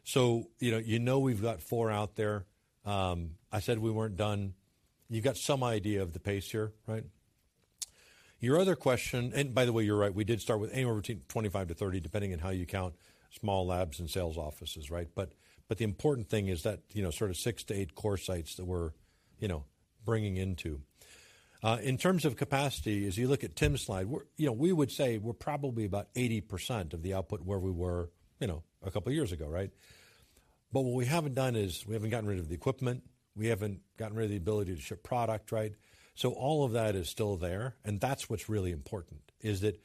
So, you know, you know we've got four out there. I said we weren't done. You've got some idea of the pace here, right? Your other question... And by the way, you're right, we did start with anywhere between 25%-30%, depending on how you count small labs and sales offices, right? But, but the important thing is that, you know, sort of six to eight core sites that we're, you know, bringing into.... In terms of capacity, as you look at Tim's slide, we're, you know, we would say we're probably about 80% of the output where we were, you know, a couple of years ago, right? But what we haven't done is we haven't gotten rid of the equipment. We haven't gotten rid of the ability to ship product, right? So all of that is still there, and that's what's really important, is that,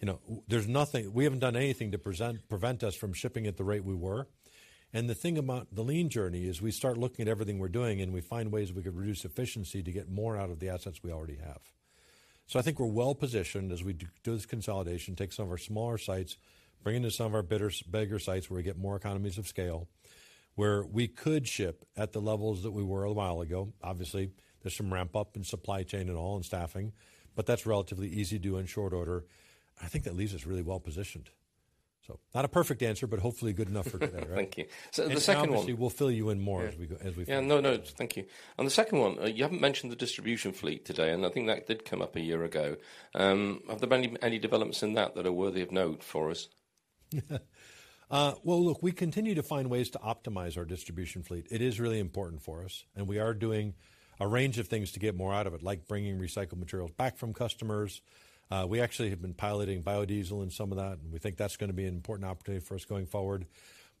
you know, there's nothing... We haven't done anything to prevent us from shipping at the rate we were. The thing about the lean journey is we start looking at everything we're doing, and we find ways we could reduce efficiency to get more out of the assets we already have. So I think we're well positioned as we do this consolidation, take some of our smaller sites, bring them to some of our bigger sites, where we get more economies of scale, where we could ship at the levels that we were a while ago. Obviously, there's some ramp-up in supply chain and all, and staffing, but that's relatively easy to do in short order. I think that leaves us really well positioned. So not a perfect answer, but hopefully good enough for today, right? Thank you. So the second one- Obviously, we'll fill you in more. Yeah. as we go, as we... Yeah. No, no, thank you. On the second one, you haven't mentioned the distribution fleet today, and I think that did come up a year ago. Have there been any developments in that that are worthy of note for us? Well, look, we continue to find ways to optimize our distribution fleet. It is really important for us, and we are doing a range of things to get more out of it, like bringing recycled materials back from customers. We actually have been piloting biodiesel in some of that, and we think that's gonna be an important opportunity for us going forward.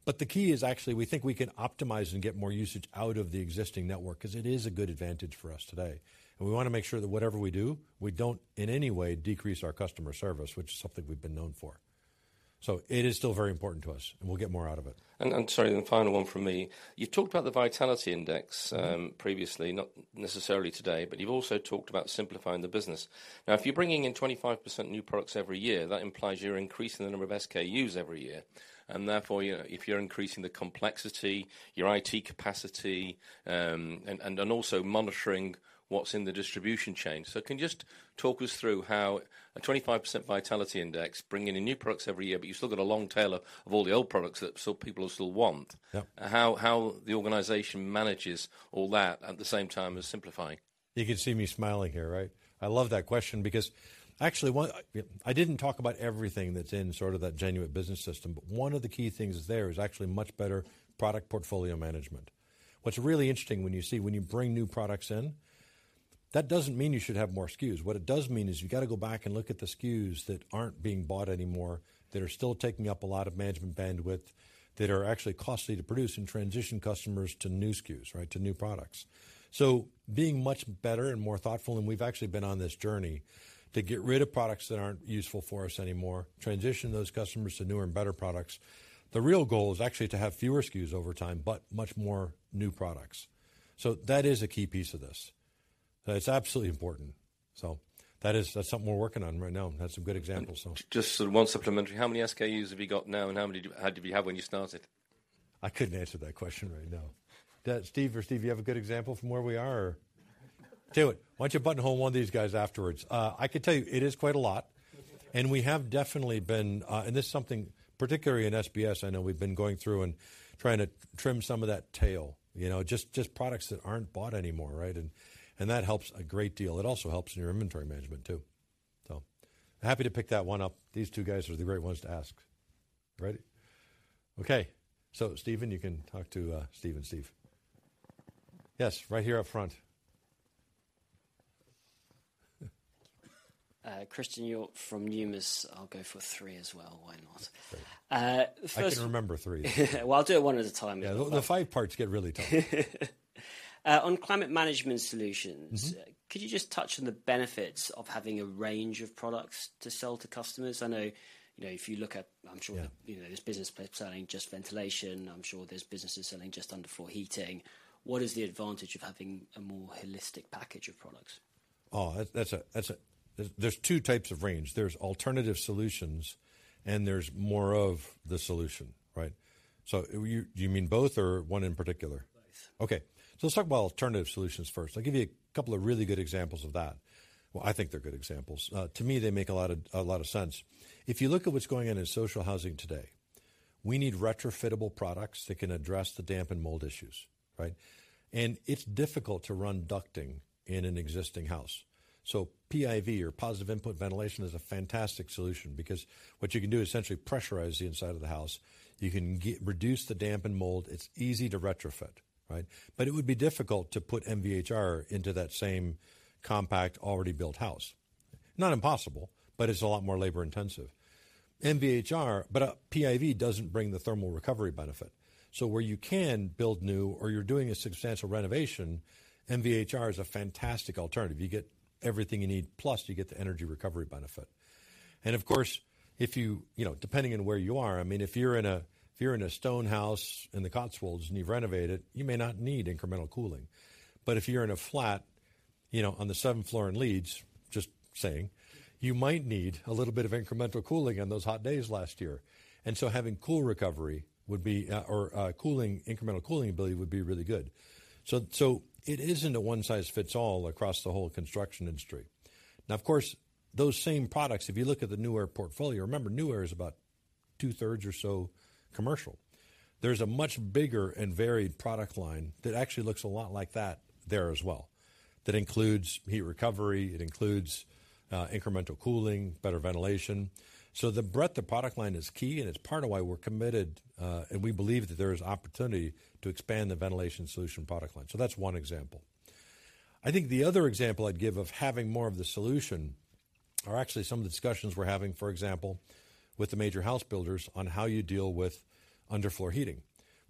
But the key is actually, we think we can optimize and get more usage out of the existing network 'cause it is a good advantage for us today. And we wanna make sure that whatever we do, we don't, in any way, decrease our customer service, which is something we've been known for. So it is still very important to us, and we'll get more out of it. Sorry, the final one from me. You've talked about the vitality index previously, not necessarily today, but you've also talked about simplifying the business. Now, if you're bringing in 25% new products every year, that implies you're increasing the number of SKUs every year, and therefore, you know, if you're increasing the complexity, your IT capacity, and then also monitoring what's in the distribution chain. So can you just talk us through how a 25% vitality index, bringing in new products every year, but you've still got a long tail of all the old products that still people will still want? Yeah. How the organization manages all that at the same time as simplifying? You can see me smiling here, right? I love that question because actually, one, I didn't talk about everything that's in sort of that Genuit Business System, but one of the key things there is actually much better product portfolio management. What's really interesting when you see, when you bring new products in, that doesn't mean you should have more SKUs. What it does mean is you've got to go back and look at the SKUs that aren't being bought anymore, that are still taking up a lot of management bandwidth, that are actually costly to produce, and transition customers to new SKUs, right, to new products. So being much better and more thoughtful, and we've actually been on this journey to get rid of products that aren't useful for us anymore, transition those customers to newer and better products. The real goal is actually to have fewer SKUs over time, but much more new products. So that is a key piece of this. That's absolutely important. So that is, that's something we're working on right now. That's a good example, so. Just one supplementary, how many SKUs have you got now, and how many did you have when you started? I couldn't answer that question right now. Does Steve or Steve, you have a good example from where we are? Steven, why don't you button-hole one of these guys afterwards? I can tell you, it is quite a lot, and we have definitely been, and this is something, particularly in SBS, I know we've been going through and trying to trim some of that tail. You know, just, just products that aren't bought anymore, right? And, and that helps a great deal. It also helps in your inventory management, too. So happy to pick that one up. These two guys are the great ones to ask. Right? Okay, so Steven, you can talk to, Steve and Steve. Yes, right here up front. Christen York from Numis. I'll go for three as well. Why not? Great. Uh, first- I can remember three. Well, I'll do it one at a time. Yeah, the five parts get really tough. On Climate Management Solutions- Mm-hmm. Could you just touch on the benefits of having a range of products to sell to customers? I know, you know, if you look at, I'm sure- Yeah... you know, there's business selling just ventilation. I'm sure there's businesses selling just underfloor heating. What is the advantage of having a more holistic package of products? Oh, that's a... There are two types of range. There are alternative solutions, and there are more of the solution, right? So you mean both or one in particular? Both. Okay, so let's talk about alternative solutions first. I'll give you a couple of really good examples of that. Well, I think they're good examples. To me, they make a lot of, a lot of sense. If you look at what's going on in social housing today, we need retrofittable products that can address the damp and mold issues, right? And it's difficult to run ducting in an existing house. So PIV, or Positive Input Ventilation, is a fantastic solution because what you can do is essentially pressurize the inside of the house. You can reduce the damp and mold. It's easy to retrofit, right? But it would be difficult to put MVHR into that same compact, already built house. Not impossible, but it's a lot more labor-intensive. MVHR, but a PIV doesn't bring the thermal recovery benefit. So where you can build new or you're doing a substantial renovation, MVHR is a fantastic alternative. You get everything you need, plus you get the energy recovery benefit. And of course, if you, you know, depending on where you are, I mean, if you're in a, if you're in a stone house in the Cotswolds and you've renovated, you may not need incremental cooling. But if you're in a flat, you know, on the seventh floor in Leeds, just saying, you might need a little bit of incremental cooling on those hot days last year. And so having cool recovery would be, or, cooling, incremental cooling ability would be really good. So, so it isn't a one-size-fits-all across the whole construction industry. Now, of course, those same products, if you look at the Nuaire portfolio, remember, Nuaire is about 2/3 or so commercial. There's a much bigger and varied product line that actually looks a lot like that there as well. That includes heat recovery, it includes incremental cooling, better ventilation. So the breadth of product line is key, and it's part of why we're committed, and we believe that there is opportunity to expand the ventilation solution product line. So that's one example. I think the other example I'd give of having more of the solution are actually some of the discussions we're having, for example, with the major house builders on how you deal with underfloor heating,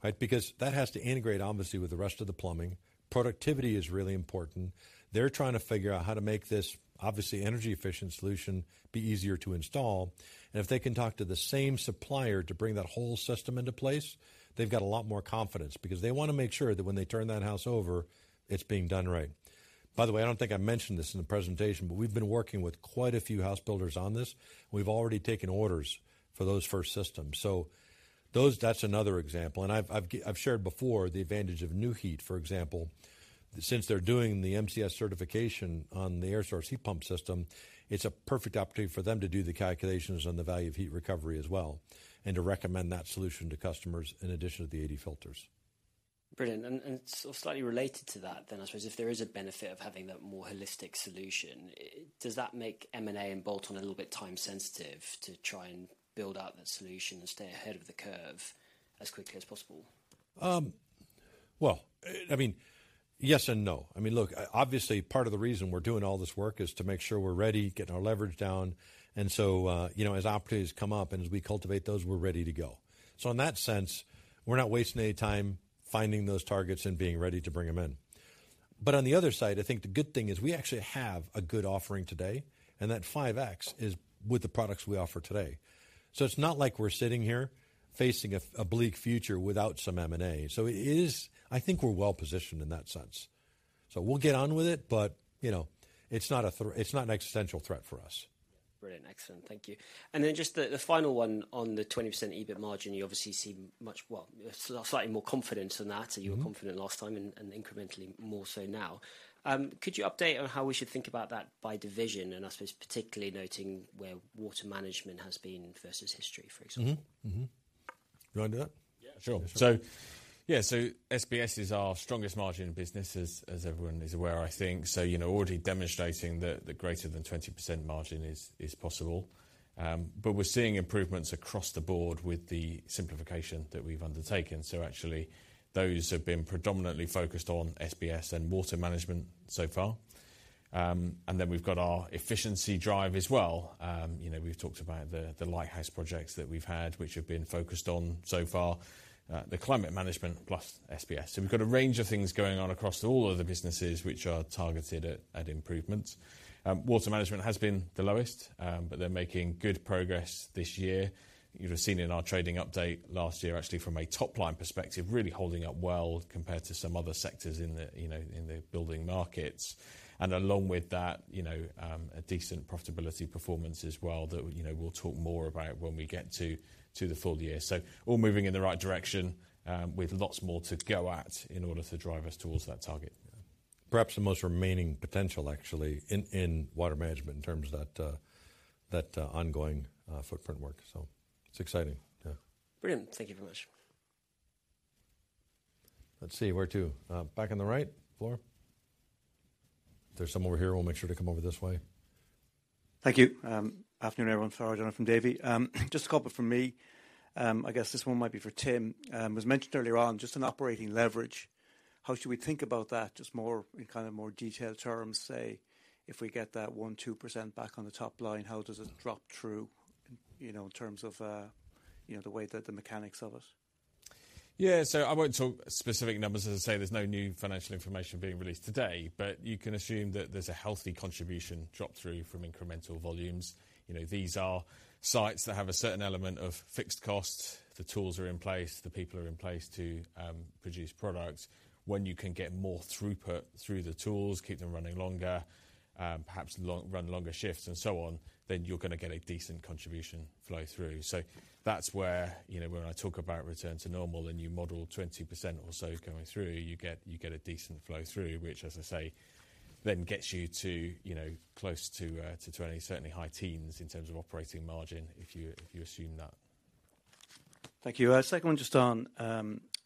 right? Because that has to integrate, obviously, with the rest of the plumbing. Productivity is really important. They're trying to figure out how to make this, obviously, energy efficient solution be easier to install. And if they can talk to the same supplier to bring that whole system into place, they've got a lot more confidence. Because they wanna make sure that when they turn that house over, it's being done right. By the way, I don't think I mentioned this in the presentation, but we've been working with quite a few house builders on this. We've already taken orders for those first systems, so those, that's another example. And I've shared before the advantage of Nu-Heat, for example. Since they're doing the MCS certification on the air source heat pump system, it's a perfect opportunity for them to do the calculations on the value of heat recovery as well, and to recommend that solution to customers in addition to the ADEY filters. Brilliant, and so slightly related to that then, I suppose, if there is a benefit of having that more holistic solution, does that make M&A and bolt-on a little bit time sensitive to try and build out that solution and stay ahead of the curve as quickly as possible? Well, I mean, yes and no. I mean, look, obviously, part of the reason we're doing all this work is to make sure we're ready, getting our leverage down, and so, you know, as opportunities come up and as we cultivate those, we're ready to go. So in that sense, we're not wasting any time finding those targets and being ready to bring them in. But on the other side, I think the good thing is we actually have a good offering today, and that 5x is with the products we offer today. So it's not like we're sitting here facing a bleak future without some M&A. So it is... I think we're well positioned in that sense. So we'll get on with it, but, you know, it's not an existential threat for us. Brilliant. Excellent. Thank you. And then just the final one on the 20% EBIT margin, you obviously seem much, well, slightly more confident than that. Mm-hmm. You were confident last time and, and incrementally more so now. Could you update on how we should think about that by division? I suppose particularly noting where Water Management has been versus history, for example. Mm-hmm. Mm-hmm. You wanna do that? Yeah, sure. Sure. Yeah, SBS is our strongest margin in business as everyone is aware, I think. So, you know, already demonstrating that the greater than 20% margin is possible. But we're seeing improvements across the board with the simplification that we've undertaken. So actually, those have been predominantly focused on SBS and Water Management so far. And then we've got our efficiency drive as well. You know, we've talked about the lighthouse projects that we've had, which have been focused on so far, the Water Management plus SBS. So we've got a range of things going on across all of the businesses which are targeted at improvements. Water Management has been the lowest, but they're making good progress this year. You would have seen in our trading update last year, actually from a top-line perspective, really holding up well compared to some other sectors in the, you know, in the building markets. And along with that, you know, a decent profitability performance as well that, you know, we'll talk more about when we get to the full year. So we're moving in the right direction, with lots more to go at in order to drive us towards that target. Perhaps the most remaining potential actually in Water Management, in terms of that ongoing footprint work. So it's exciting. Yeah. Brilliant. Thank you very much. Let's see. Where to? Back on the right, floor. There's some over here. We'll make sure to come over this way. Thank you. Afternoon, everyone. Sorry, John from Davy. Just a couple from me. I guess this one might be for Tim. It was mentioned earlier on just on operating leverage, how should we think about that? Just more, in kind of more detailed terms. Say, if we get that 1%-2% back on the top line, how does it drop through, you know, in terms of, you know, the way the mechanics of it? Yeah. So I won't talk specific numbers. As I say, there's no new financial information being released today, but you can assume that there's a healthy contribution drop through from incremental volumes. You know, these are sites that have a certain element of fixed costs. The tools are in place, the people are in place to produce products. When you can get more throughput through the tools, keep them running longer, perhaps long, run longer shifts and so on, then you're gonna get a decent contribution flow through. So that's where, you know, when I talk about return to normal, a new model, 20% or so is going through, you get, you get a decent flow through, which, as I say, then gets you to, you know, close to 20%, certainly high teens in terms of operating margin, if you, if you assume that. Thank you. Second one, just on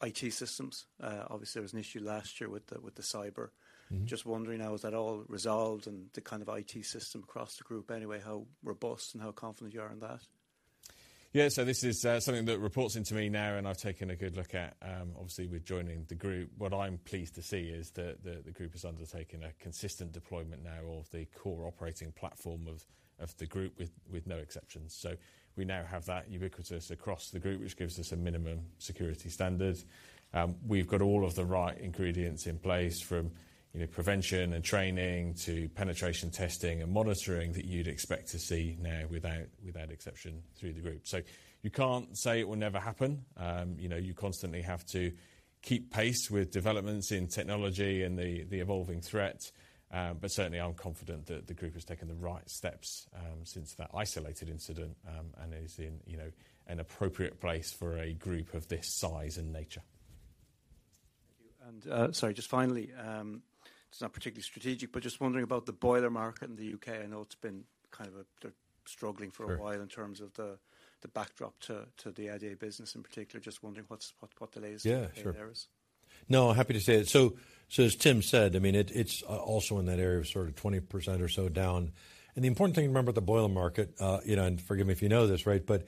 IT systems. Obviously, there was an issue last year with the cyber. Mm-hmm. Just wondering how is that all resolved and the kind of IT system across the group, anyway, how robust and how confident you are in that? Yeah, so this is something that reports into me now, and I've taken a good look at, obviously, with joining the group. What I'm pleased to see is that the group has undertaken a consistent deployment now of the core operating platform of the group, with no exceptions. So we now have that ubiquitous across the group, which gives us a minimum security standard. We've got all of the right ingredients in place from, you know, prevention and training to penetration testing and monitoring that you'd expect to see now without exception through the group. So you can't say it will never happen. You know, you constantly have to keep pace with developments in technology and the evolving threat, but certainly I'm confident that the group has taken the right steps, and is, you know, in an appropriate place for a group of this size and nature. Thank you. Sorry, just finally, it's not particularly strategic, but just wondering about the boiler market in the U.K. I know it's been kind of a, they're struggling for a while- Sure... in terms of the backdrop to the ADEY business in particular. Just wondering, what's the latest- Yeah, sure -there is. No, happy to say. So, as Tim said, I mean, it's also in that area of sort of 20% or so down. And the important thing to remember, the boiler market, you know, and forgive me if you know this, right, but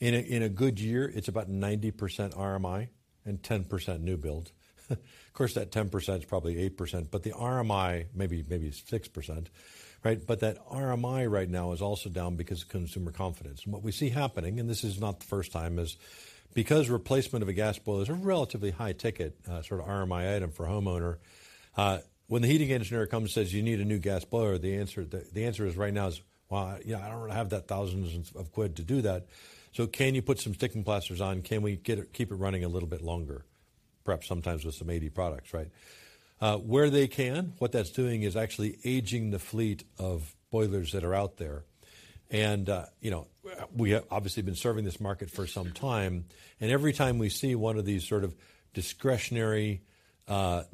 in a good year, it's about 90% RMI and 10% new build. Of course, that 10% is probably 8%, but the RMI, maybe 6%, right? But that RMI right now is also down because of consumer confidence. What we see happening, and this is not the first time, is because replacement of a gas boiler is a relatively high ticket, sort of RMI item for a homeowner, when the heating engineer comes and says, "You need a new gas boiler," the answer right now is: "Well, yeah, I don't really have that thousands of quid to do that, so can you put some sticking plasters on? Can we keep it running a little bit longer?" Perhaps sometimes with some ADEY products, right? Where they can, what that's doing is actually aging the fleet of boilers that are out there. And, you know, we have obviously been serving this market for some time, and every time we see one of these sort of discretionary,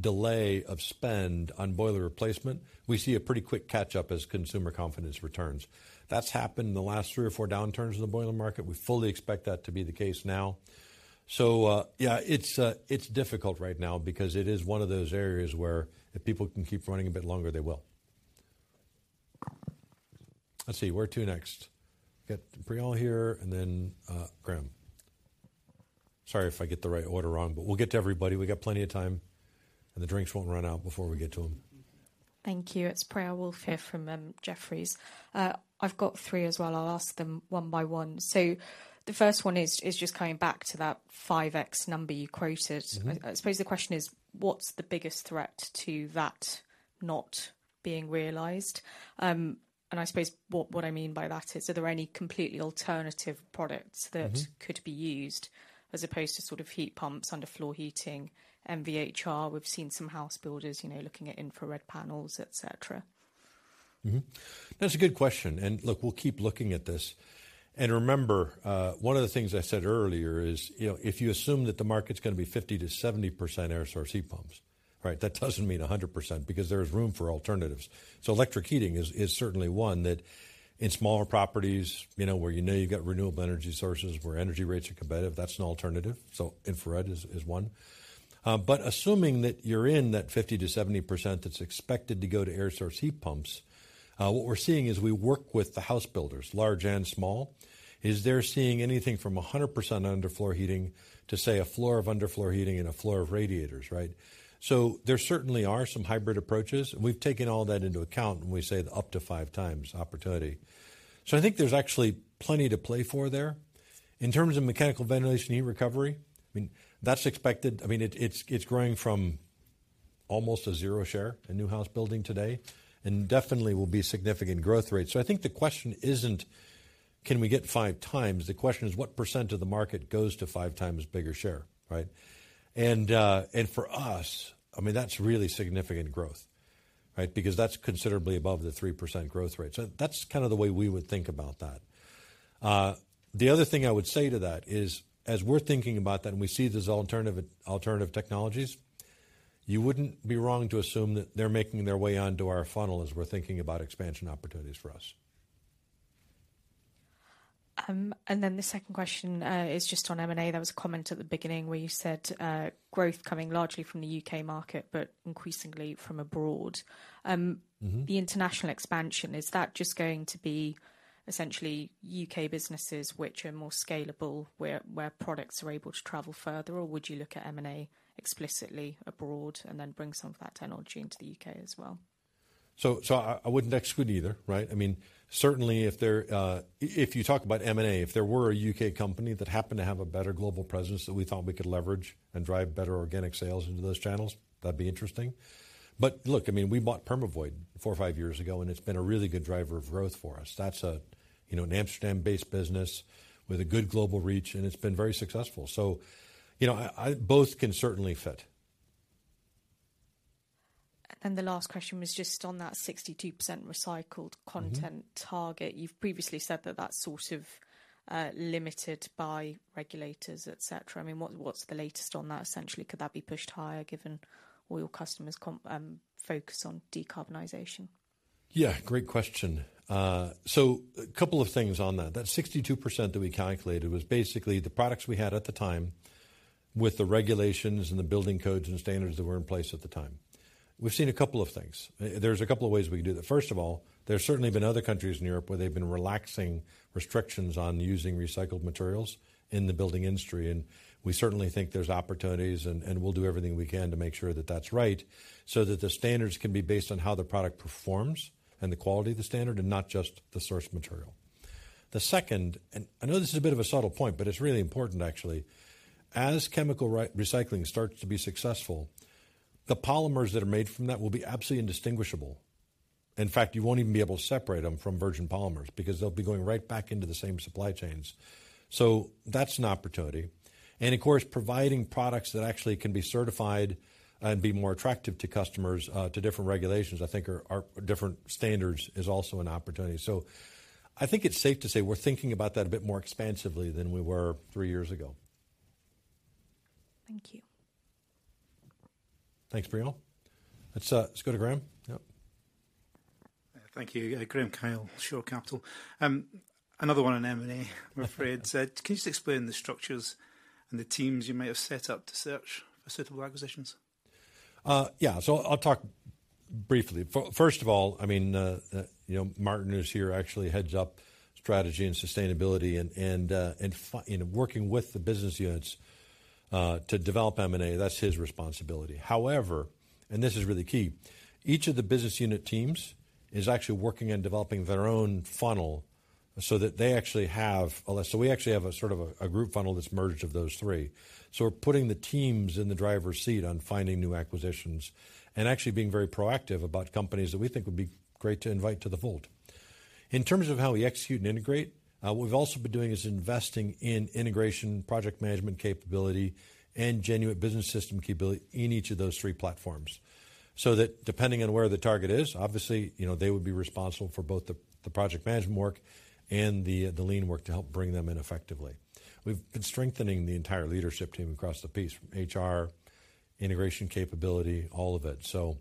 delay of spend on boiler replacement, we see a pretty quick catch-up as consumer confidence returns. That's happened in the last three or four downturns in the boiler market. We fully expect that to be the case now. So, yeah, it's, it's difficult right now because it is one of those areas where if people can keep running a bit longer, they will. Let's see, where to next? Get Priyal here, and then, Graeme. Sorry if I get the right order wrong, but we'll get to everybody. We got plenty of time, and the drinks won't run out before we get to them. Thank you. It's Priyal Woolf here from Jefferies. I've got three as well. I'll ask them one by one. So the first one is just coming back to that 5x number you quoted. Mm-hmm. I suppose the question is, what's the biggest threat to that not being realized? I suppose what I mean by that is, are there any completely alternative products- Mm-hmm... that could be used as opposed to sort of heat pumps, underfloor heating, MVHR? We've seen some house builders, you know, looking at infrared panels, et cetera. Mm-hmm. That's a good question, and look, we'll keep looking at this. And remember, one of the things I said earlier is, you know, if you assume that the market's gonna be 50%-70% air source heat pumps, right? That doesn't mean 100%, because there's room for alternatives. So electric heating is certainly one that in smaller properties, you know, where you know you've got renewable energy sources, where energy rates are competitive, that's an alternative, so infrared is one. But assuming that you're in that 50%-70% that's expected to go to air source heat pumps, what we're seeing is we work with the house builders, large and small, is they're seeing anything from 100% underfloor heating to, say, a floor of underfloor heating and a floor of radiators, right? So there certainly are some hybrid approaches, and we've taken all that into account when we say up to five times opportunity. So I think there's actually plenty to play for there. In terms of mechanical ventilation heat recovery, I mean, that's expected. I mean, it's growing from almost a zero share in new house building today and definitely will be significant growth rates. So I think the question isn't, can we get 5x? The question is, what percent of the market goes to 5x bigger share, right? And, and for us, I mean, that's really significant growth, right? Because that's considerably above the 3% growth rate. So that's kind of the way we would think about that. The other thing I would say to that is, as we're thinking about that and we see these alternative technologies, you wouldn't be wrong to assume that they're making their way onto our funnel as we're thinking about expansion opportunities for us. Then the second question is just on M&A. There was a comment at the beginning where you said, growth coming largely from the U.K. market, but increasingly from abroad. Mm-hmm. The international expansion, is that just going to be essentially U.K. businesses which are more scalable, where products are able to travel further? Or would you look at M&A explicitly abroad and then bring some of that technology into the U.K. as well? So, I wouldn't exclude either, right? I mean, certainly if there... If you talk about M&A, if there were a U.K. company that happened to have a better global presence that we thought we could leverage and drive better organic sales into those channels, that'd be interesting. But look, I mean, we bought Permavoid four or five years ago, and it's been a really good driver of growth for us. That's a, you know, an Amsterdam-based business with a good global reach, and it's been very successful. So, you know, both can certainly fit. The last question was just on that 62% recycled content- Mm-hmm -target. You've previously said that that's sort of, limited by regulators, et cetera. I mean, what, what's the latest on that? Essentially, could that be pushed higher given all your customers focus on decarbonization? Yeah, great question. So a couple of things on that. That 62% that we calculated was basically the products we had at the time with the regulations and the building codes and standards that were in place at the time. We've seen a couple of things. There's a couple of ways we can do that. First of all, there's certainly been other countries in Europe where they've been relaxing restrictions on using recycled materials in the building industry, and we certainly think there's opportunities, and, and we'll do everything we can to make sure that that's right, so that the standards can be based on how the product performs and the quality of the standard, and not just the source material. The second, and I know this is a bit of a subtle point, but it's really important actually. As chemical recycling starts to be successful, the polymers that are made from that will be absolutely indistinguishable. In fact, you won't even be able to separate them from virgin polymers because they'll be going right back into the same supply chains. So that's an opportunity, and of course, providing products that actually can be certified and be more attractive to customers, to different regulations, I think are different standards, is also an opportunity. So I think it's safe to say we're thinking about that a bit more expansively than we were three years ago. Thank you. Thanks, Priyal. Let's go to Graeme. Yep. Thank you. Graeme Kyle, Shore Capital. Another one on M&A, I'm afraid. Can you just explain the structures and the teams you may have set up to search for suitable acquisitions? Yeah. So I'll talk briefly, first of all, I mean, you know, Martin, who's here, actually heads up strategy and sustainability and, you know, working with the business units to develop M&A, that's his responsibility. However, and this is really key, each of the business unit teams is actually working on developing their own funnel. So we actually have a sort of group funnel that's merged of those three. So we're putting the teams in the driver's seat on finding new acquisitions and actually being very proactive about companies that we think would be great to invite to the fold. In terms of how we execute and integrate, we've also been doing is investing in integration, project management capability, and Genuit Business System capability in each of those three platforms. So that depending on where the target is, obviously, you know, they would be responsible for both the, the project management work and the, the lean work to help bring them in effectively. We've been strengthening the entire leadership team across the piece, from HR, integration capability, all of it. So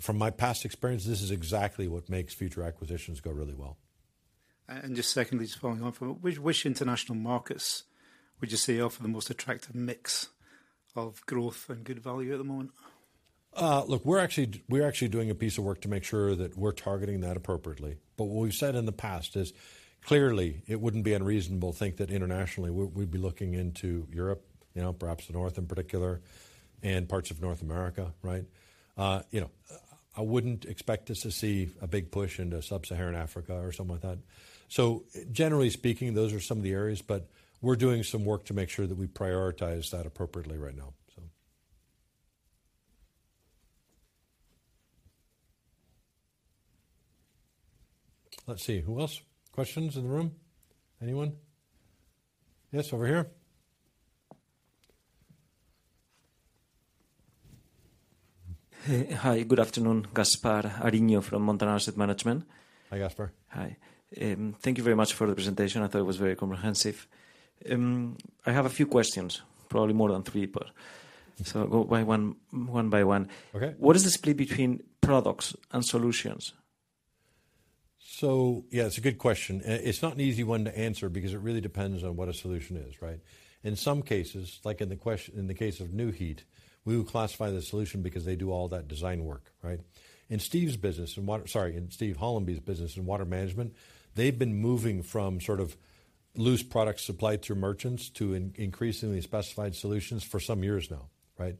from my past experience, this is exactly what makes future acquisitions go really well. Just secondly, just following on from it, which, which international markets would you say offer the most attractive mix of growth and good value at the moment? Look, we're actually, we're actually doing a piece of work to make sure that we're targeting that appropriately. But what we've said in the past is, clearly, it wouldn't be unreasonable to think that internationally, we, we'd be looking into Europe, you know, perhaps the North in particular, and parts of North America, right? You know, I wouldn't expect us to see a big push into Sub-Saharan Africa or something like that. So generally speaking, those are some of the areas, but we're doing some work to make sure that we prioritize that appropriately right now, so. Let's see, who else? Questions in the room? Anyone? Yes, over here. Hey. Hi, good afternoon. Gaspar Ariño from Montanaro Asset Management. Hi, Gaspar. Hi. Thank you very much for the presentation. I thought it was very comprehensive. I have a few questions, probably more than three, but so I'll go by one, one by one. Okay. What is the split between products and solutions? So yeah, it's a good question. It's not an easy one to answer because it really depends on what a solution is, right? In some cases, like in the case of Nu-Heat, we would classify the solution because they do all that design work, right? In Steve's business, in water... Sorry, in Steve Hollamby's business, in Water Management, they've been moving from sort of loose product supply through merchants to increasingly specified solutions for some years now, right?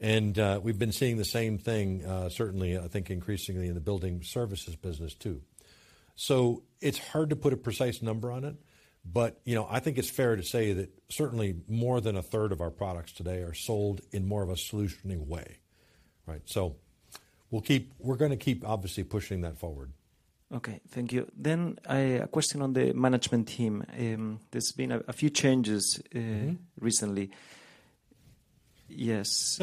And we've been seeing the same thing, certainly, I think, increasingly in the building services business, too. So it's hard to put a precise number on it, but you know, I think it's fair to say that certainly more than a third of our products today are sold in more of a solutioning way, right? So we'll keep, we're gonna keep obviously pushing that forward. Okay. Thank you. Then, a question on the management team. There's been a few changes. Mm-hmm. Recently. Yes.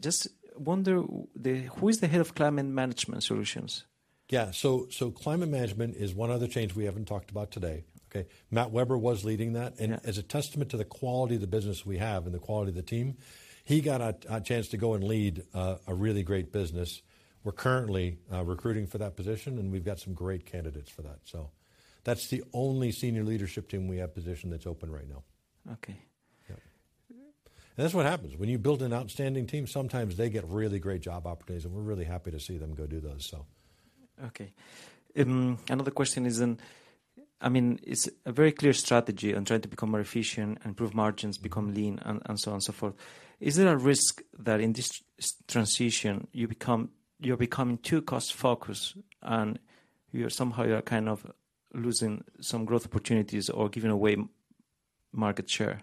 Just wonder, who is the head of Climate Management Solutions? Yeah. So, Climate Management is one other change we haven't talked about today. Okay? Matt Webber was leading that, and as a testament to the quality of the business we have and the quality of the team, he got a chance to go and lead a really great business. We're currently recruiting for that position, and we've got some great candidates for that, so... That's the only senior leadership team position that's open right now. Okay. Yeah. That's what happens when you build an outstanding team. Sometimes they get really great job opportunities, and we're really happy to see them go do those, so. Okay. Another question is, I mean, it's a very clear strategy on trying to become more efficient, improve margins, become lean, and, and so on and so forth. Is there a risk that in this transition, you become, you're becoming too cost focused, and you're somehow you are kind of losing some growth opportunities or giving away market share?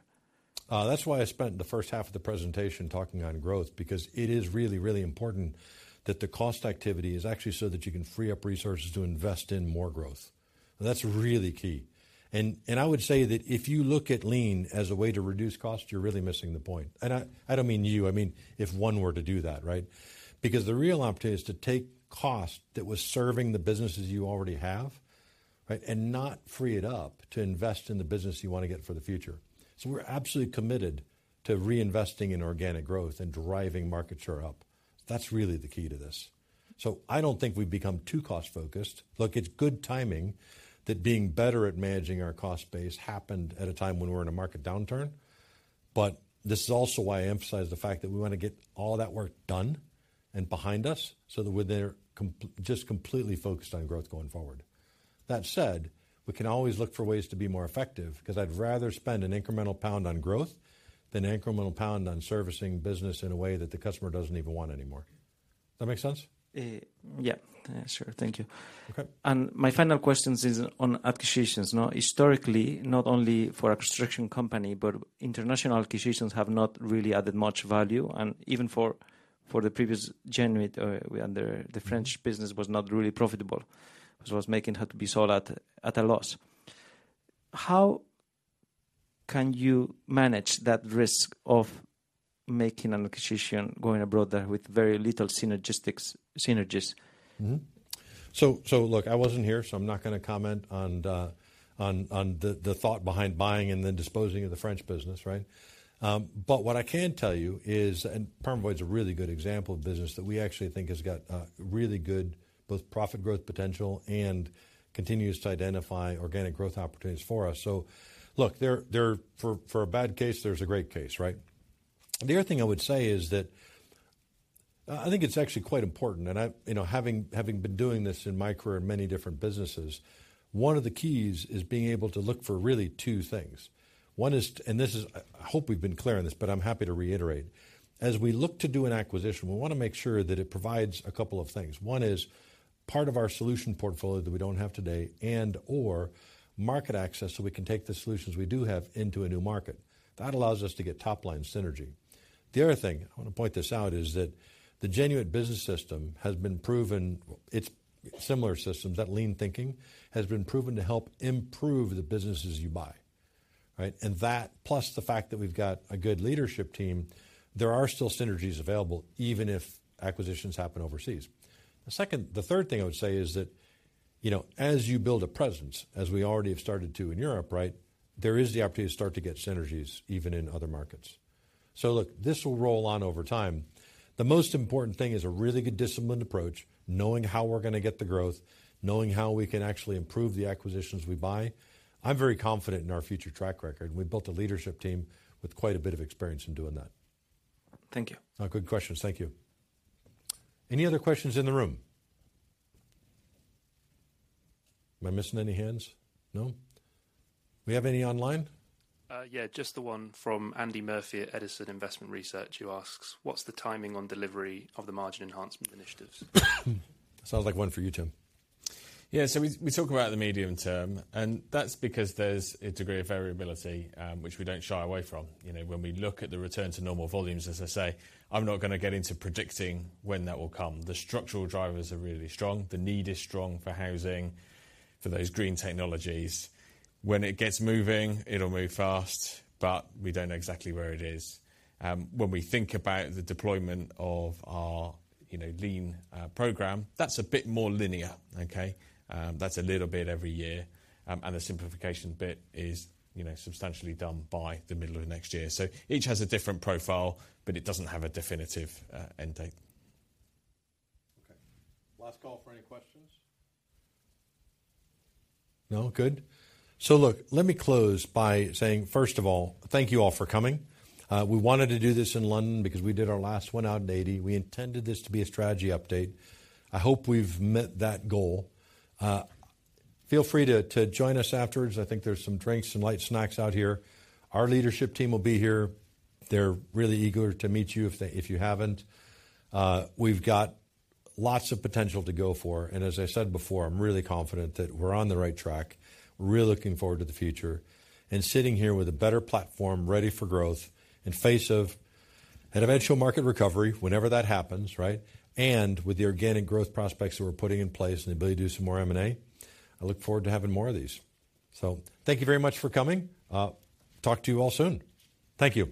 That's why I spent the first half of the presentation talking on growth, because it is really, really important that the cost activity is actually so that you can free up resources to invest in more growth. That's really key. And I would say that if you look at lean as a way to reduce cost, you're really missing the point. And I don't mean you, I mean, if one were to do that, right? Because the real opportunity is to take cost that was serving the businesses you already have, right, and not free it up to invest in the business you wanna get for the future. So we're absolutely committed to reinvesting in organic growth and driving market share up. That's really the key to this. So I don't think we've become too cost-focused. Look, it's good timing that being better at managing our cost base happened at a time when we're in a market downturn, but this is also why I emphasize the fact that we wanna get all that work done and behind us so that we're then just completely focused on growth going forward. That said, we can always look for ways to be more effective, 'cause I'd rather spend an incremental pound on growth than an incremental pound on servicing business in a way that the customer doesn't even want anymore. Does that make sense? Yeah. Sure. Thank you. Okay. My final questions is on acquisitions. Now, historically, not only for a construction company, but international acquisitions have not really added much value, and even for the previous January, when the French business was not really profitable. So it was making her to be sold at a loss. How can you manage that risk of making an acquisition, going abroad with very little synergies? So look, I wasn't here, so I'm not gonna comment on the thought behind buying and then disposing of the French business, right? But what I can tell you is, and Permavoid is a really good example of business that we actually think has got a really good both profit growth potential and continues to identify organic growth opportunities for us. So look, there... For a bad case, there's a great case, right? The other thing I would say is that, I think it's actually quite important, and I, you know, having been doing this in my career in many different businesses, one of the keys is being able to look for really two things. One is, and this is, I hope we've been clear on this, but I'm happy to reiterate. As we look to do an acquisition, we wanna make sure that it provides a couple of things. One is part of our solution portfolio that we don't have today and/or market access, so we can take the solutions we do have into a new market. That allows us to get top-line synergy. The other thing, I wanna point this out, is that the Genuit Business System has been proven, in similar systems, that lean thinking, has been proven to help improve the businesses you buy, right? And that, plus the fact that we've got a good leadership team, there are still synergies available, even if acquisitions happen overseas. The third thing I would say is that, you know, as you build a presence, as we already have started to in Europe, right? There is the opportunity to start to get synergies, even in other markets. So look, this will roll on over time. The most important thing is a really good, disciplined approach, knowing how we're gonna get the growth, knowing how we can actually improve the acquisitions we buy. I'm very confident in our future track record. We've built a leadership team with quite a bit of experience in doing that. Thank you. Good questions. Thank you. Any other questions in the room? Am I missing any hands? No. Do we have any online? Yeah, just the one from Andy Murphy at Edison Investment Research, who asks: What's the timing on delivery of the margin enhancement initiatives? Sounds like one for you, Tim. Yeah, so we talk about the medium term, and that's because there's a degree of variability, which we don't shy away from. You know, when we look at the return to normal volumes, as I say, I'm not gonna get into predicting when that will come. The structural drivers are really strong. The need is strong for housing, for those green technologies. When it gets moving, it'll move fast, but we don't know exactly where it is. When we think about the deployment of our, you know, lean program, that's a bit more linear, okay? That's a little bit every year. And the simplification bit is, you know, substantially done by the middle of next year. So each has a different profile, but it doesn't have a definitive end date. Okay. Last call for any questions. No? Good. So look, let me close by saying, first of all, thank you all for coming. We wanted to do this in London because we did our last one out in ADEY. We intended this to be a strategy update. I hope we've met that goal. Feel free to, to join us afterwards. I think there's some drinks, some light snacks out here. Our leadership team will be here. They're really eager to meet you if they, if you haven't. We've got lots of potential to go for, and as I said before, I'm really confident that we're on the right track. Really looking forward to the future and sitting here with a better platform, ready for growth, in face of an eventual market recovery, whenever that happens, right? With the organic growth prospects that we're putting in place and the ability to do some more M&A, I look forward to having more of these. Thank you very much for coming. Talk to you all soon. Thank you.